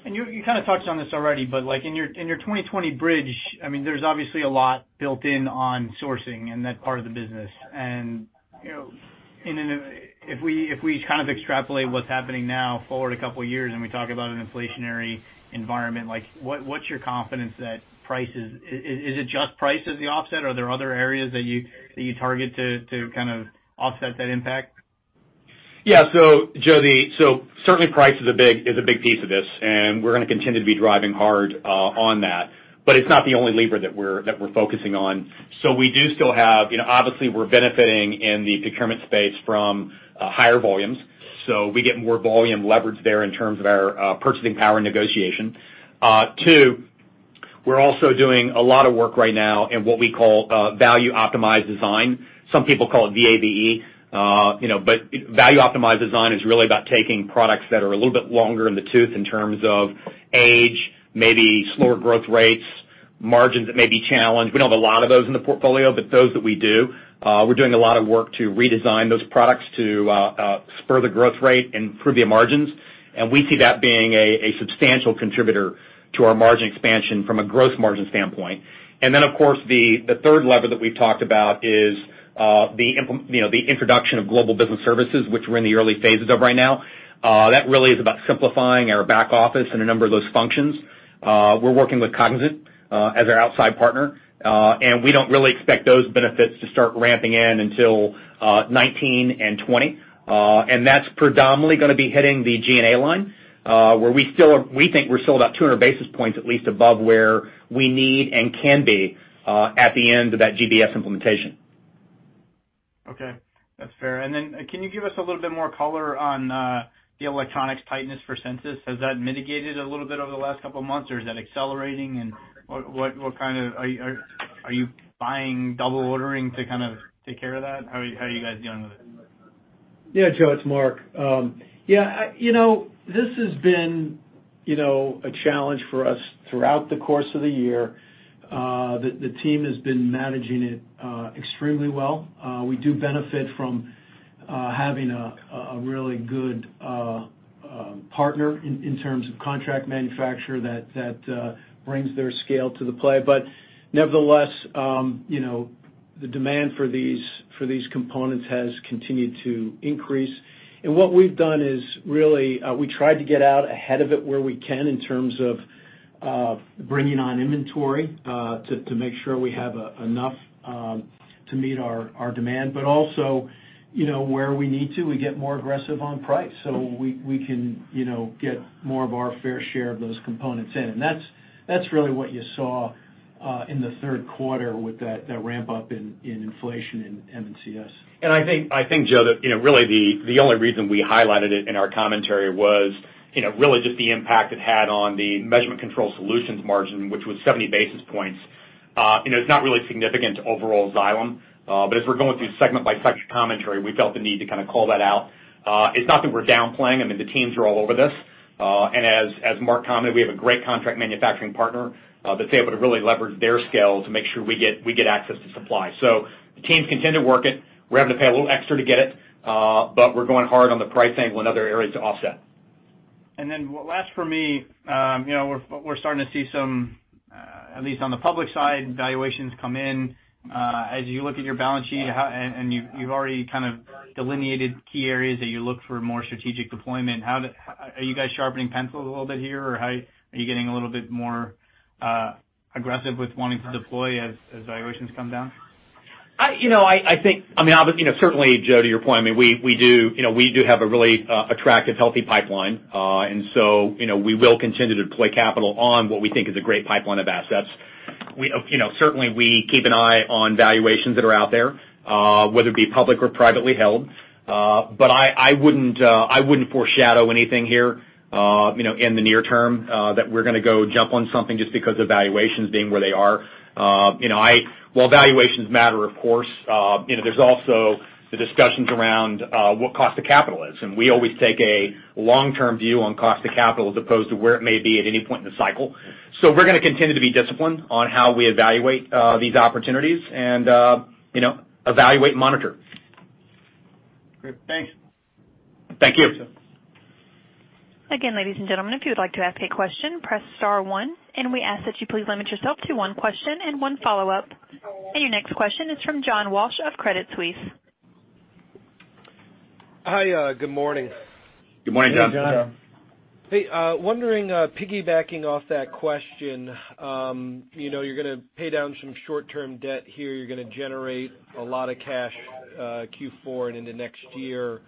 You kind of touched on this already, but in your 2020 bridge, there's obviously a lot built in on sourcing and that part of the business. If we kind of extrapolate what's happening now forward a couple of years and we talk about an inflationary environment, what's your confidence that prices? Is it just price as the offset, or are there other areas that you target to kind of offset that impact? Joe, certainly price is a big piece of this, and we're going to continue to be driving hard on that. It's not the only lever that we're focusing on. Obviously, we're benefiting in the procurement space from higher volumes. We get more volume leverage there in terms of our purchasing power negotiation. Two. We're also doing a lot of work right now in what we call Value Optimized Design. Some people call it VAVE. Value Optimized Design is really about taking products that are a little bit longer in the tooth in terms of age, maybe slower growth rates, margins that may be challenged. We don't have a lot of those in the portfolio, but those that we do, we're doing a lot of work to redesign those products to spur the growth rate and improve the margins. We see that being a substantial contributor to our margin expansion from a gross margin standpoint. The third lever that we've talked about is the introduction of Global Business Services, which we're in the early phases of right now. That really is about simplifying our back office and a number of those functions. We're working with Cognizant as our outside partner. We don't really expect those benefits to start ramping in until 2019 and 2020. That's predominantly going to be hitting the G&A line, where we think we're still about 200 basis points, at least above where we need and can be, at the end of that GBS implementation. That's fair. Can you give us a little bit more color on the electronics tightness for Sensus? Has that mitigated a little bit over the last couple of months, or is that accelerating? Are you buying double ordering to kind of take care of that? How are you guys dealing with it? Joe, it's Mark. This has been a challenge for us throughout the course of the year. The team has been managing it extremely well. We do benefit from having a really good partner in terms of contract manufacturer that brings their scale to the play. Nevertheless, the demand for these components has continued to increase. What we've done is really, we tried to get out ahead of it where we can in terms of bringing on inventory, to make sure we have enough to meet our demand, but also, where we need to, we get more aggressive on price so we can get more of our fair share of those components in. That's really what you saw in the third quarter with that ramp-up in inflation in MCS. I think, Joe, that really the only reason we highlighted it in our commentary was really just the impact it had on the Measurement & Control Solutions margin, which was 70 basis points. It's not really significant to overall Xylem. As we're going through segment by segment commentary, we felt the need to kind of call that out. It's not that we're downplaying. I mean, the teams are all over this. As Mark commented, we have a great contract manufacturing partner that's able to really leverage their scale to make sure we get access to supply. The teams continue to work it. We're having to pay a little extra to get it. We're going hard on the price angle in other areas to offset. Last for me, we're starting to see some, at least on the public side, valuations come in. As you look at your balance sheet and you've already kind of delineated key areas that you look for more strategic deployment, are you guys sharpening pencils a little bit here, or are you getting a little bit more aggressive with wanting to deploy as valuations come down? Certainly, Joe, to your point, we do have a really attractive, healthy pipeline. We will continue to deploy capital on what we think is a great pipeline of assets. Certainly, we keep an eye on valuations that are out there, whether it be public or privately held. I wouldn't foreshadow anything here, in the near term, that we're going to go jump on something just because of valuations being where they are. While valuations matter, of course, there's also the discussions around what cost of capital is. We always take a long-term view on cost of capital as opposed to where it may be at any point in the cycle. We're going to continue to be disciplined on how we evaluate these opportunities and evaluate and monitor. Great. Thanks. Thank you. Again, ladies and gentlemen, if you would like to ask a question, press star one, and we ask that you please limit yourself to one question and one follow-up. Your next question is from John Walsh of Credit Suisse. Hi, good morning. Good morning, John. Hey, wondering, piggybacking off that question, you're going to pay down some short-term debt here. You're going to generate a lot of cash Q4 and into next year.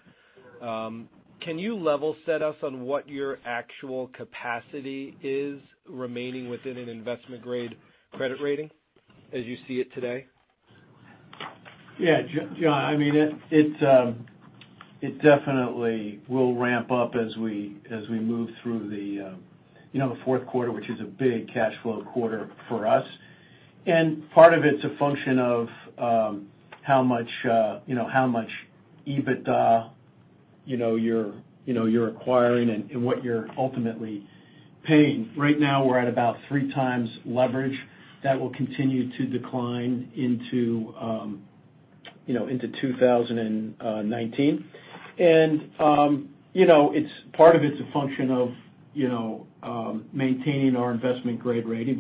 Can you level set us on what your actual capacity is remaining within an investment-grade credit rating as you see it today? Yeah, John, it definitely will ramp up as we move through the fourth quarter, which is a big cash flow quarter for us. Part of it's a function of how much EBITDA you're acquiring and what you're ultimately paying. Right now, we're at about three times leverage. That will continue to decline into 2019. Part of it's a function of maintaining our investment-grade rating.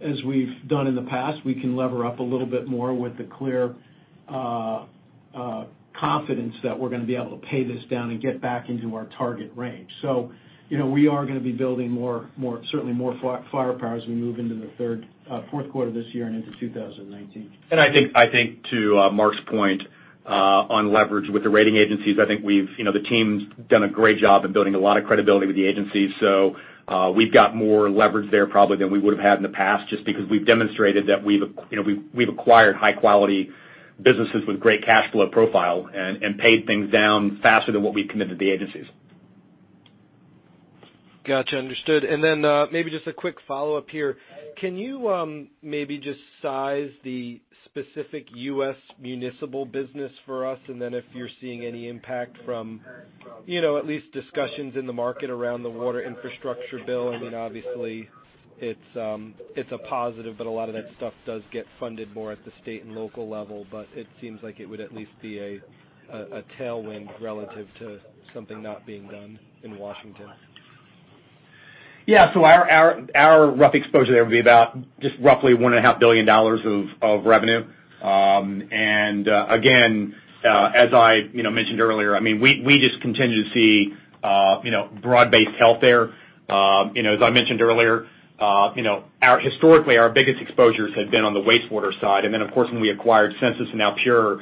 As we've done in the past, we can lever up a little bit more with the clear confidence that we're going to be able to pay this down and get back into our target range. We are going to be building certainly more firepower as we move into the fourth quarter of this year and into 2019. I think to Mark's point on leverage with the rating agencies, I think the team's done a great job of building a lot of credibility with the agencies. We've got more leverage there probably than we would've had in the past, just because we've demonstrated that we've acquired high-quality businesses with great cash flow profile and paid things down faster than what we'd committed to the agencies. Got you. Understood. Maybe just a quick follow-up here. Can you maybe just size the specific U.S. municipal business for us, and then if you're seeing any impact from at least discussions in the market around the water infrastructure bill? I mean, obviously, it's a positive, but a lot of that stuff does get funded more at the state and local level. It seems like it would at least be a tailwind relative to something not being done in Washington. Yeah. Our rough exposure there would be about just roughly $1.5 billion of revenue. Again, as I mentioned earlier, we just continue to see broad-based health there. As I mentioned earlier, historically our biggest exposures have been on the wastewater side, and then of course when we acquired Sensus and now Pure,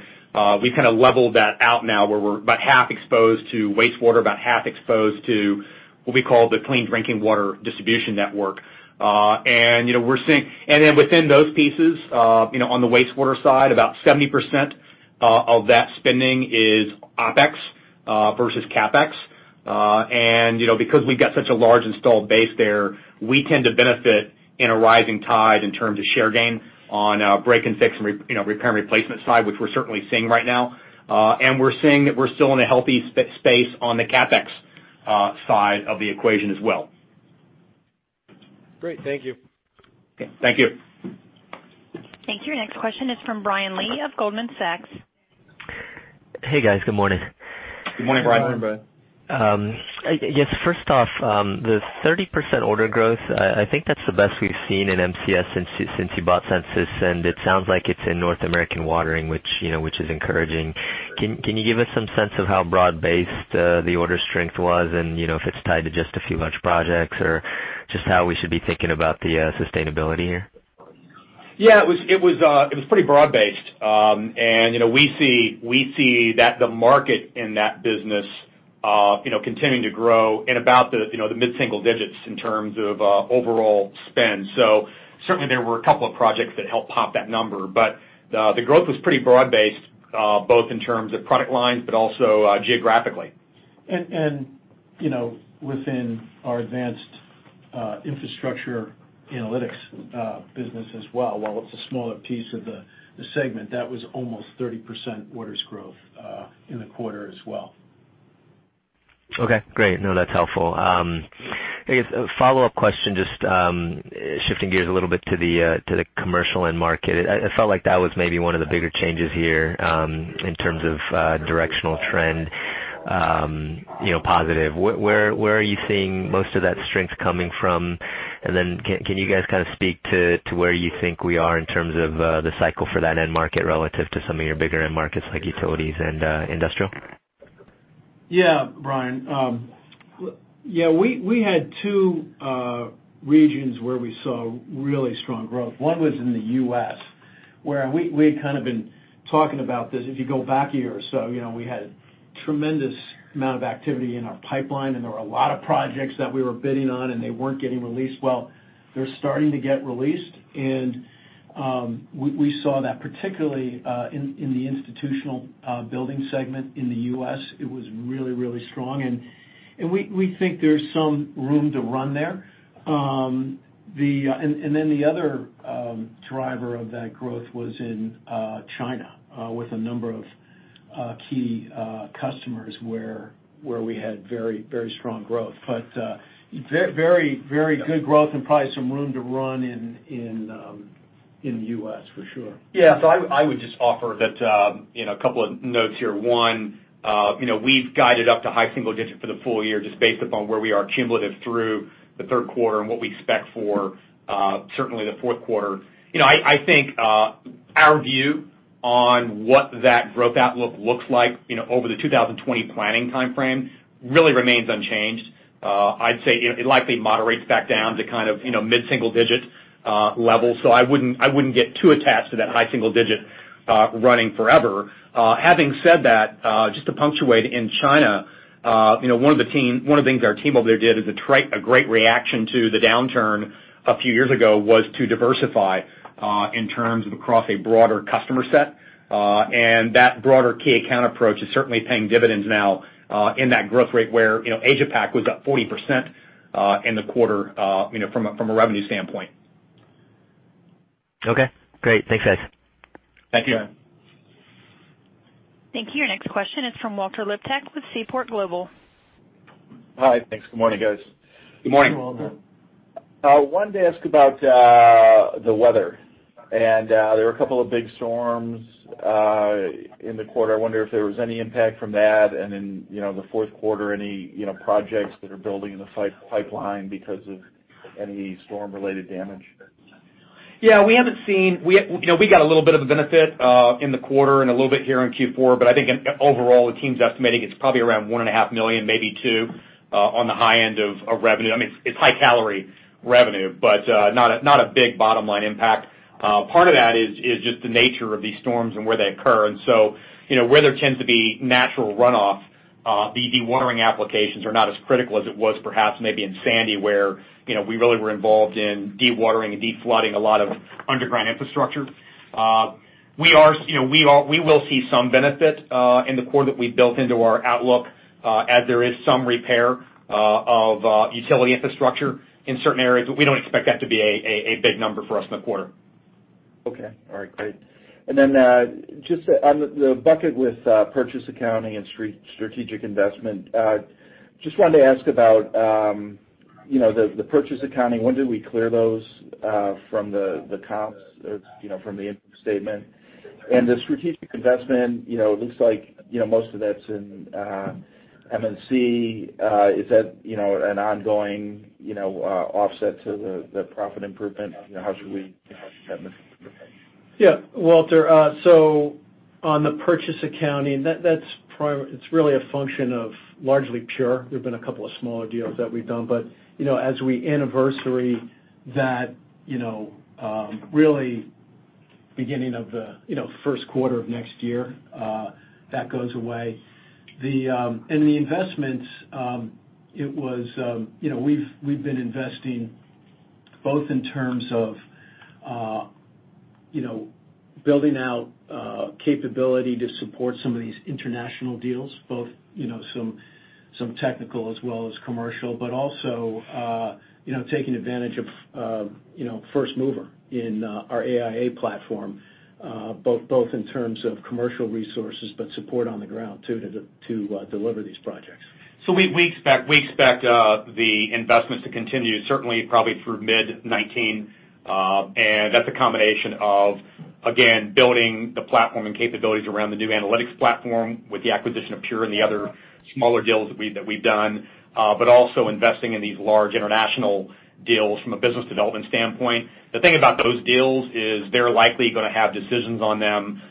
we've kind of leveled that out now where we're about half exposed to wastewater, about half exposed to what we call the clean drinking water distribution network. Then within those pieces, on the wastewater side, about 70% of that spending is OpEx versus CapEx. Because we've got such a large installed base there, we tend to benefit in a rising tide in terms of share gain on our break and fix and repair and replacement side, which we're certainly seeing right now. We're seeing that we're still in a healthy space on the CapEx side of the equation as well. Great. Thank you. Okay. Thank you. Thank you. Your next question is from Brian Lee of Goldman Sachs. Hey, guys. Good morning. Good morning, Brian. Good morning, Brian. Yes. First off, the 30% order growth, I think that's the best we've seen in MCS since you bought Sensus, and it sounds like it's in North American watering, which is encouraging. Can you give us some sense of how broad-based the order strength was and if it's tied to just a few large projects or just how we should be thinking about the sustainability here? Yeah. It was pretty broad-based. We see that the market in that business continuing to grow in about the mid-single digits in terms of overall spend. Certainly there were a couple of projects that helped pop that number, the growth was pretty broad-based, both in terms of product lines, also geographically. Within our Advanced Infrastructure Analytics business as well, while it's a smaller piece of the segment, that was almost 30% orders growth in the quarter as well. Okay, great. No, that's helpful. I guess a follow-up question, just shifting gears a little bit to the commercial end market. I felt like that was maybe one of the bigger changes here in terms of directional trend positive. Where are you seeing most of that strength coming from? Then can you guys kind of speak to where you think we are in terms of the cycle for that end market relative to some of your bigger end markets like utilities and industrial? Yeah, Brian. We had two regions where we saw really strong growth. One was in the U.S., where we had kind of been talking about this. If you go back a year or so, we had tremendous amount of activity in our pipeline and there were a lot of projects that we were bidding on and they weren't getting released. They're starting to get released and we saw that particularly in the institutional building segment in the U.S. It was really strong, and we think there's some room to run there. The other driver of that growth was in China with a number of key customers where we had very strong growth. Very good growth and probably some room to run in the U.S. for sure. Yeah. I would just offer a couple of notes here. One, we've guided up to high single digit for the full year just based upon where we are cumulative through the third quarter and what we expect for certainly the fourth quarter. I think our view on what that growth outlook looks like over the 2020 planning timeframe really remains unchanged. I'd say it likely moderates back down to kind of mid-single digit levels. I wouldn't get too attached to that high single digit running forever. Having said that, just to punctuate in China, one of the things our team over there did as a great reaction to the downturn a few years ago was to diversify in terms of across a broader customer set. That broader key account approach is certainly paying dividends now in that growth rate where Asia Pac was up 40% in the quarter from a revenue standpoint. Okay, great. Thanks, guys. Thank you. Thank you. Your next question is from Walter Liptak with Seaport Global. Hi. Thanks. Good morning, guys. Good morning. Good morning, Walter. I wanted to ask about the weather. There were two big storms in the quarter. I wonder if there was any impact from that, and in the fourth quarter, any projects that are building in the pipeline because of any storm-related damage. Yeah, we got a little bit of a benefit in the quarter and a little bit here in Q4, but I think overall the team's estimating it's probably around $1.5 million, maybe two on the high end of revenue. It's high-calorie revenue, but not a big bottom-line impact. Part of that is just the nature of these storms and where they occur. So where there tends to be natural runoff, the dewatering applications are not as critical as it was perhaps maybe in Sandy, where we really were involved in dewatering and deflooding a lot of underground infrastructure. We will see some benefit in the quarter that we've built into our outlook as there is some repair of utility infrastructure in certain areas, but we don't expect that to be a big number for us in the quarter. Okay. All right, great. Then just on the bucket with purchase accounting and strategic investment, just wanted to ask about the purchase accounting. When do we clear those from the comps or from the income statement? The strategic investment, it looks like most of that's in M&C. Is that an ongoing offset to the profit improvement? How should we. Walter. On the purchase accounting, it's really a function of largely Pure. There've been a couple of smaller deals that we've done, but as we anniversary that really beginning of the first quarter of next year, that goes away. In the investments, we've been investing both in terms of building out capability to support some of these international deals, both some technical as well as commercial, but also taking advantage of first mover in our AIA platform both in terms of commercial resources, but support on the ground to deliver these projects. We expect the investments to continue certainly probably through mid 2019. That's a combination of, again, building the platform and capabilities around the new analytics platform with the acquisition of Pure and the other smaller deals that we've done, but also investing in these large international deals from a business development standpoint. The thing about those deals is they're likely going to have decisions on them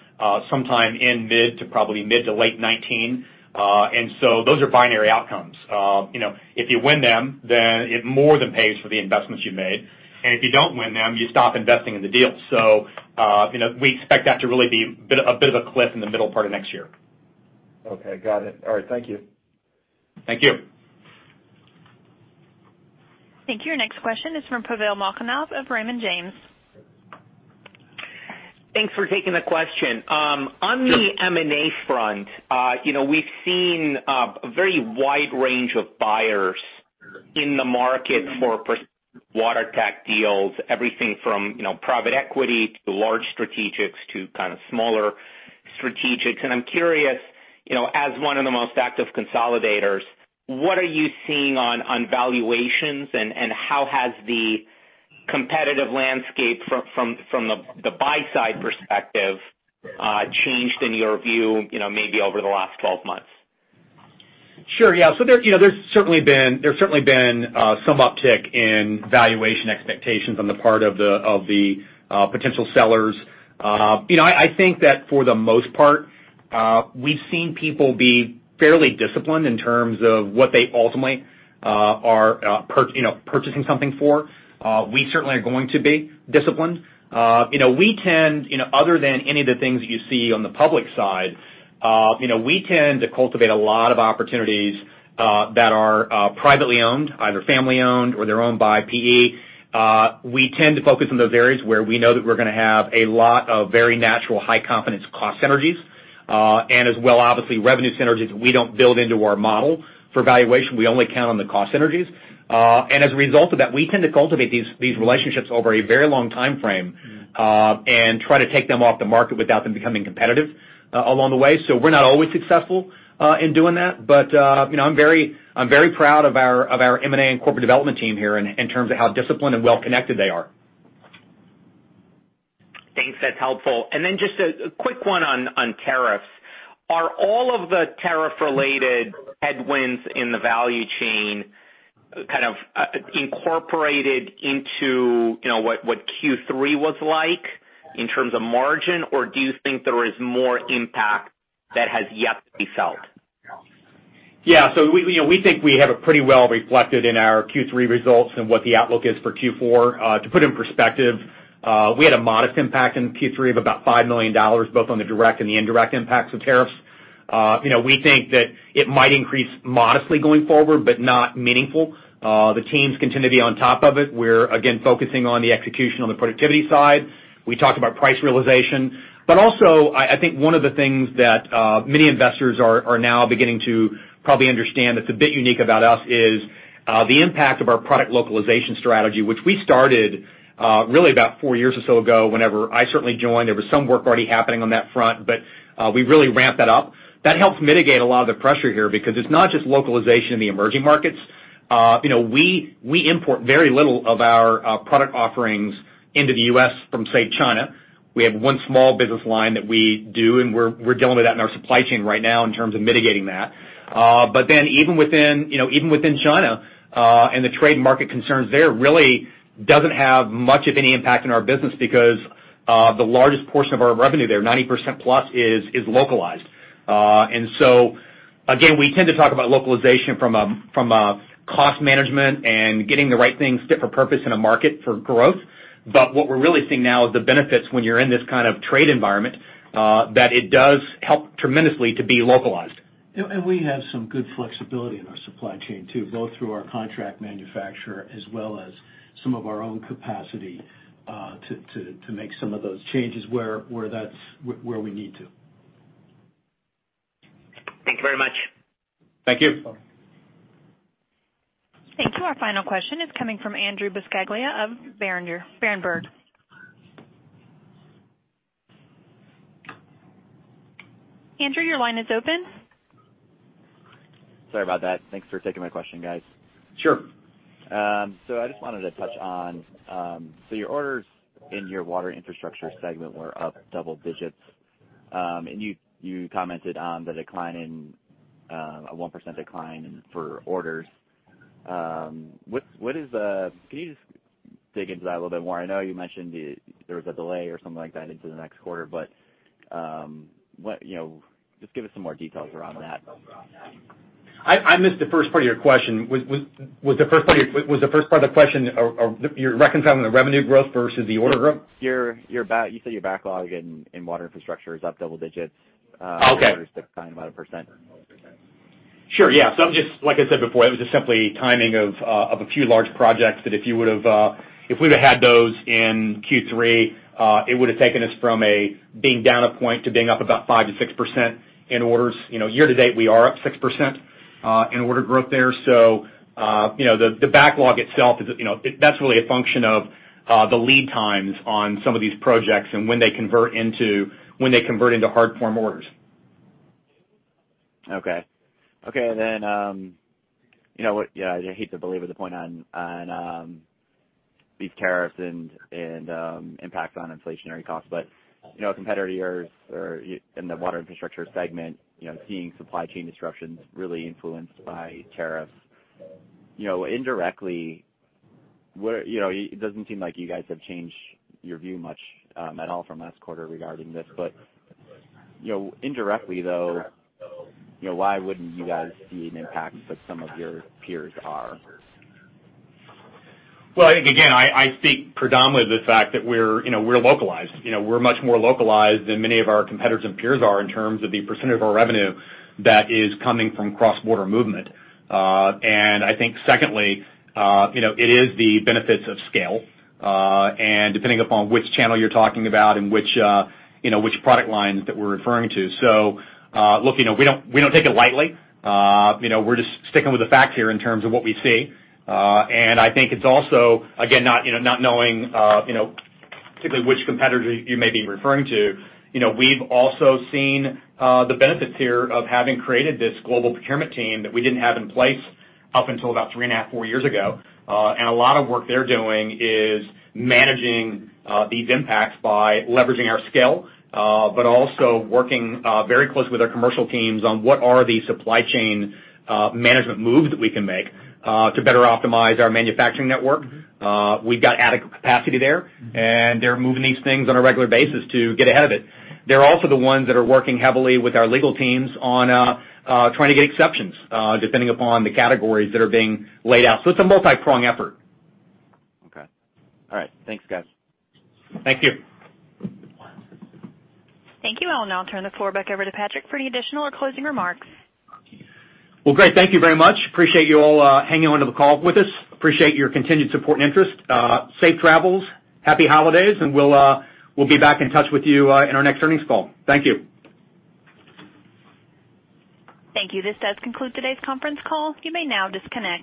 sometime in mid to probably mid to late 2019. Those are binary outcomes. If you win them, then it more than pays for the investments you made. If you don't win them, you stop investing in the deal. We expect that to really be a bit of a cliff in the middle part of next year. Okay, got it. All right, thank you. Thank you. Thank you. Your next question is from Pavel Molchanov of Raymond James. Thanks for taking the question. On the M&A front, we've seen a very wide range of buyers in the market for water tech deals, everything from private equity to large strategics to kind of smaller strategics. I'm curious, as one of the most active consolidators, what are you seeing on valuations and how has the competitive landscape from the buy side perspective changed in your view maybe over the last 12 months? Sure. Yeah. There's certainly been some uptick in valuation expectations on the part of the potential sellers. I think that for the most part, we've seen people be fairly disciplined in terms of what they ultimately are purchasing something for. We certainly are going to be disciplined. Other than any of the things that you see on the public side, we tend to cultivate a lot of opportunities that are privately owned, either family owned or they're owned by PE. We tend to focus on those areas where we know that we're going to have a lot of very natural high confidence cost synergies, and as well obviously revenue synergies we don't build into our model for valuation. We only count on the cost synergies. As a result of that, we tend to cultivate these relationships over a very long timeframe and try to take them off the market without them becoming competitive along the way. We're not always successful in doing that, but I'm very proud of our M&A and corporate development team here in terms of how disciplined and well-connected they are. Thanks. That's helpful. Just a quick one on tariffs. Are all of the tariff-related headwinds in the value chain kind of incorporated into what Q3 was like in terms of margin? Do you think there is more impact that has yet to be felt? We think we have it pretty well reflected in our Q3 results and what the outlook is for Q4. To put it in perspective, we had a modest impact in Q3 of about $5 million, both on the direct and the indirect impacts of tariffs. We think that it might increase modestly going forward, but not meaningful. The teams continue to be on top of it. We're again focusing on the execution on the productivity side. We talked about price realization. I think one of the things that many investors are now beginning to probably understand that's a bit unique about us is the impact of our product localization strategy, which we started really about four years or so ago, whenever I certainly joined. There was some work already happening on that front, but we really ramped that up. That helped mitigate a lot of the pressure here, because it's not just localization in the emerging markets. We import very little of our product offerings into the U.S. from, say, China. We have one small business line that we do, and we're dealing with that in our supply chain right now in terms of mitigating that. Even within China, and the trade market concerns there, really doesn't have much of any impact on our business because the largest portion of our revenue there, 90%-plus, is localized. We tend to talk about localization from a cost management and getting the right things fit for purpose in a market for growth. What we're really seeing now is the benefits when you're in this kind of trade environment, that it does help tremendously to be localized. We have some good flexibility in our supply chain, too, both through our contract manufacturer as well as some of our own capacity to make some of those changes where we need to. Thank you very much. Thank you. You're welcome. Thank you. Our final question is coming from Andrew Buscaglia of Berenberg. Andrew, your line is open. Sorry about that. Thanks for taking my question, guys. Sure. I just wanted to touch on, your orders in your Water Infrastructure segment were up double digits. You commented on a 1% decline for orders. Can you just dig into that a little bit more? I know you mentioned there was a delay or something like that into the next quarter, just give us some more details around that. I missed the first part of your question. Was the first part of the question, you're reconciling the revenue growth versus the order growth? You said your backlog in Water Infrastructure is up double digits. Okay. Orders declined about 1%. Sure, yeah. Like I said before, it was just simply timing of a few large projects that if we would've had those in Q3, it would've taken us from a being down a point to being up about 5%-6% in orders. Year to date, we are up 6% in order growth there. The backlog itself, that's really a function of the lead times on some of these projects and when they convert into hard form orders. Okay. I hate to belabor the point on these tariffs and impact on inflationary costs, competitors in the Water Infrastructure segment, seeing supply chain disruptions really influenced by tariffs. It doesn't seem like you guys have changed your view much at all from last quarter regarding this. Indirectly, though, why wouldn't you guys see an impact that some of your peers are? Well, I think, again, I think predominantly the fact that we're localized. We're much more localized than many of our competitors and peers are in terms of the percentage of our revenue that is coming from cross-border movement. I think secondly, it is the benefits of scale, and depending upon which channel you're talking about and which product lines that we're referring to. Look, we don't take it lightly. We're just sticking with the facts here in terms of what we see. I think it's also, again, not knowing particularly which competitor you may be referring to, we've also seen the benefits here of having created this global procurement team that we didn't have in place up until about three and a half, four years ago. A lot of work they're doing is managing these impacts by leveraging our scale. working very closely with our commercial teams on what are the supply chain management moves that we can make to better optimize our manufacturing network. We've got adequate capacity there, and they're moving these things on a regular basis to get ahead of it. They're also the ones that are working heavily with our legal teams on trying to get exceptions, depending upon the categories that are being laid out. It's a multi-pronged effort. Okay. All right. Thanks, guys. Thank you. Thank you. I will now turn the floor back over to Patrick for any additional or closing remarks. Well, great. Thank you very much. Appreciate you all hanging on to the call with us. Appreciate your continued support and interest. Safe travels, happy holidays. We'll be back in touch with you in our next earnings call. Thank you. Thank you. This does conclude today's conference call. You may now disconnect.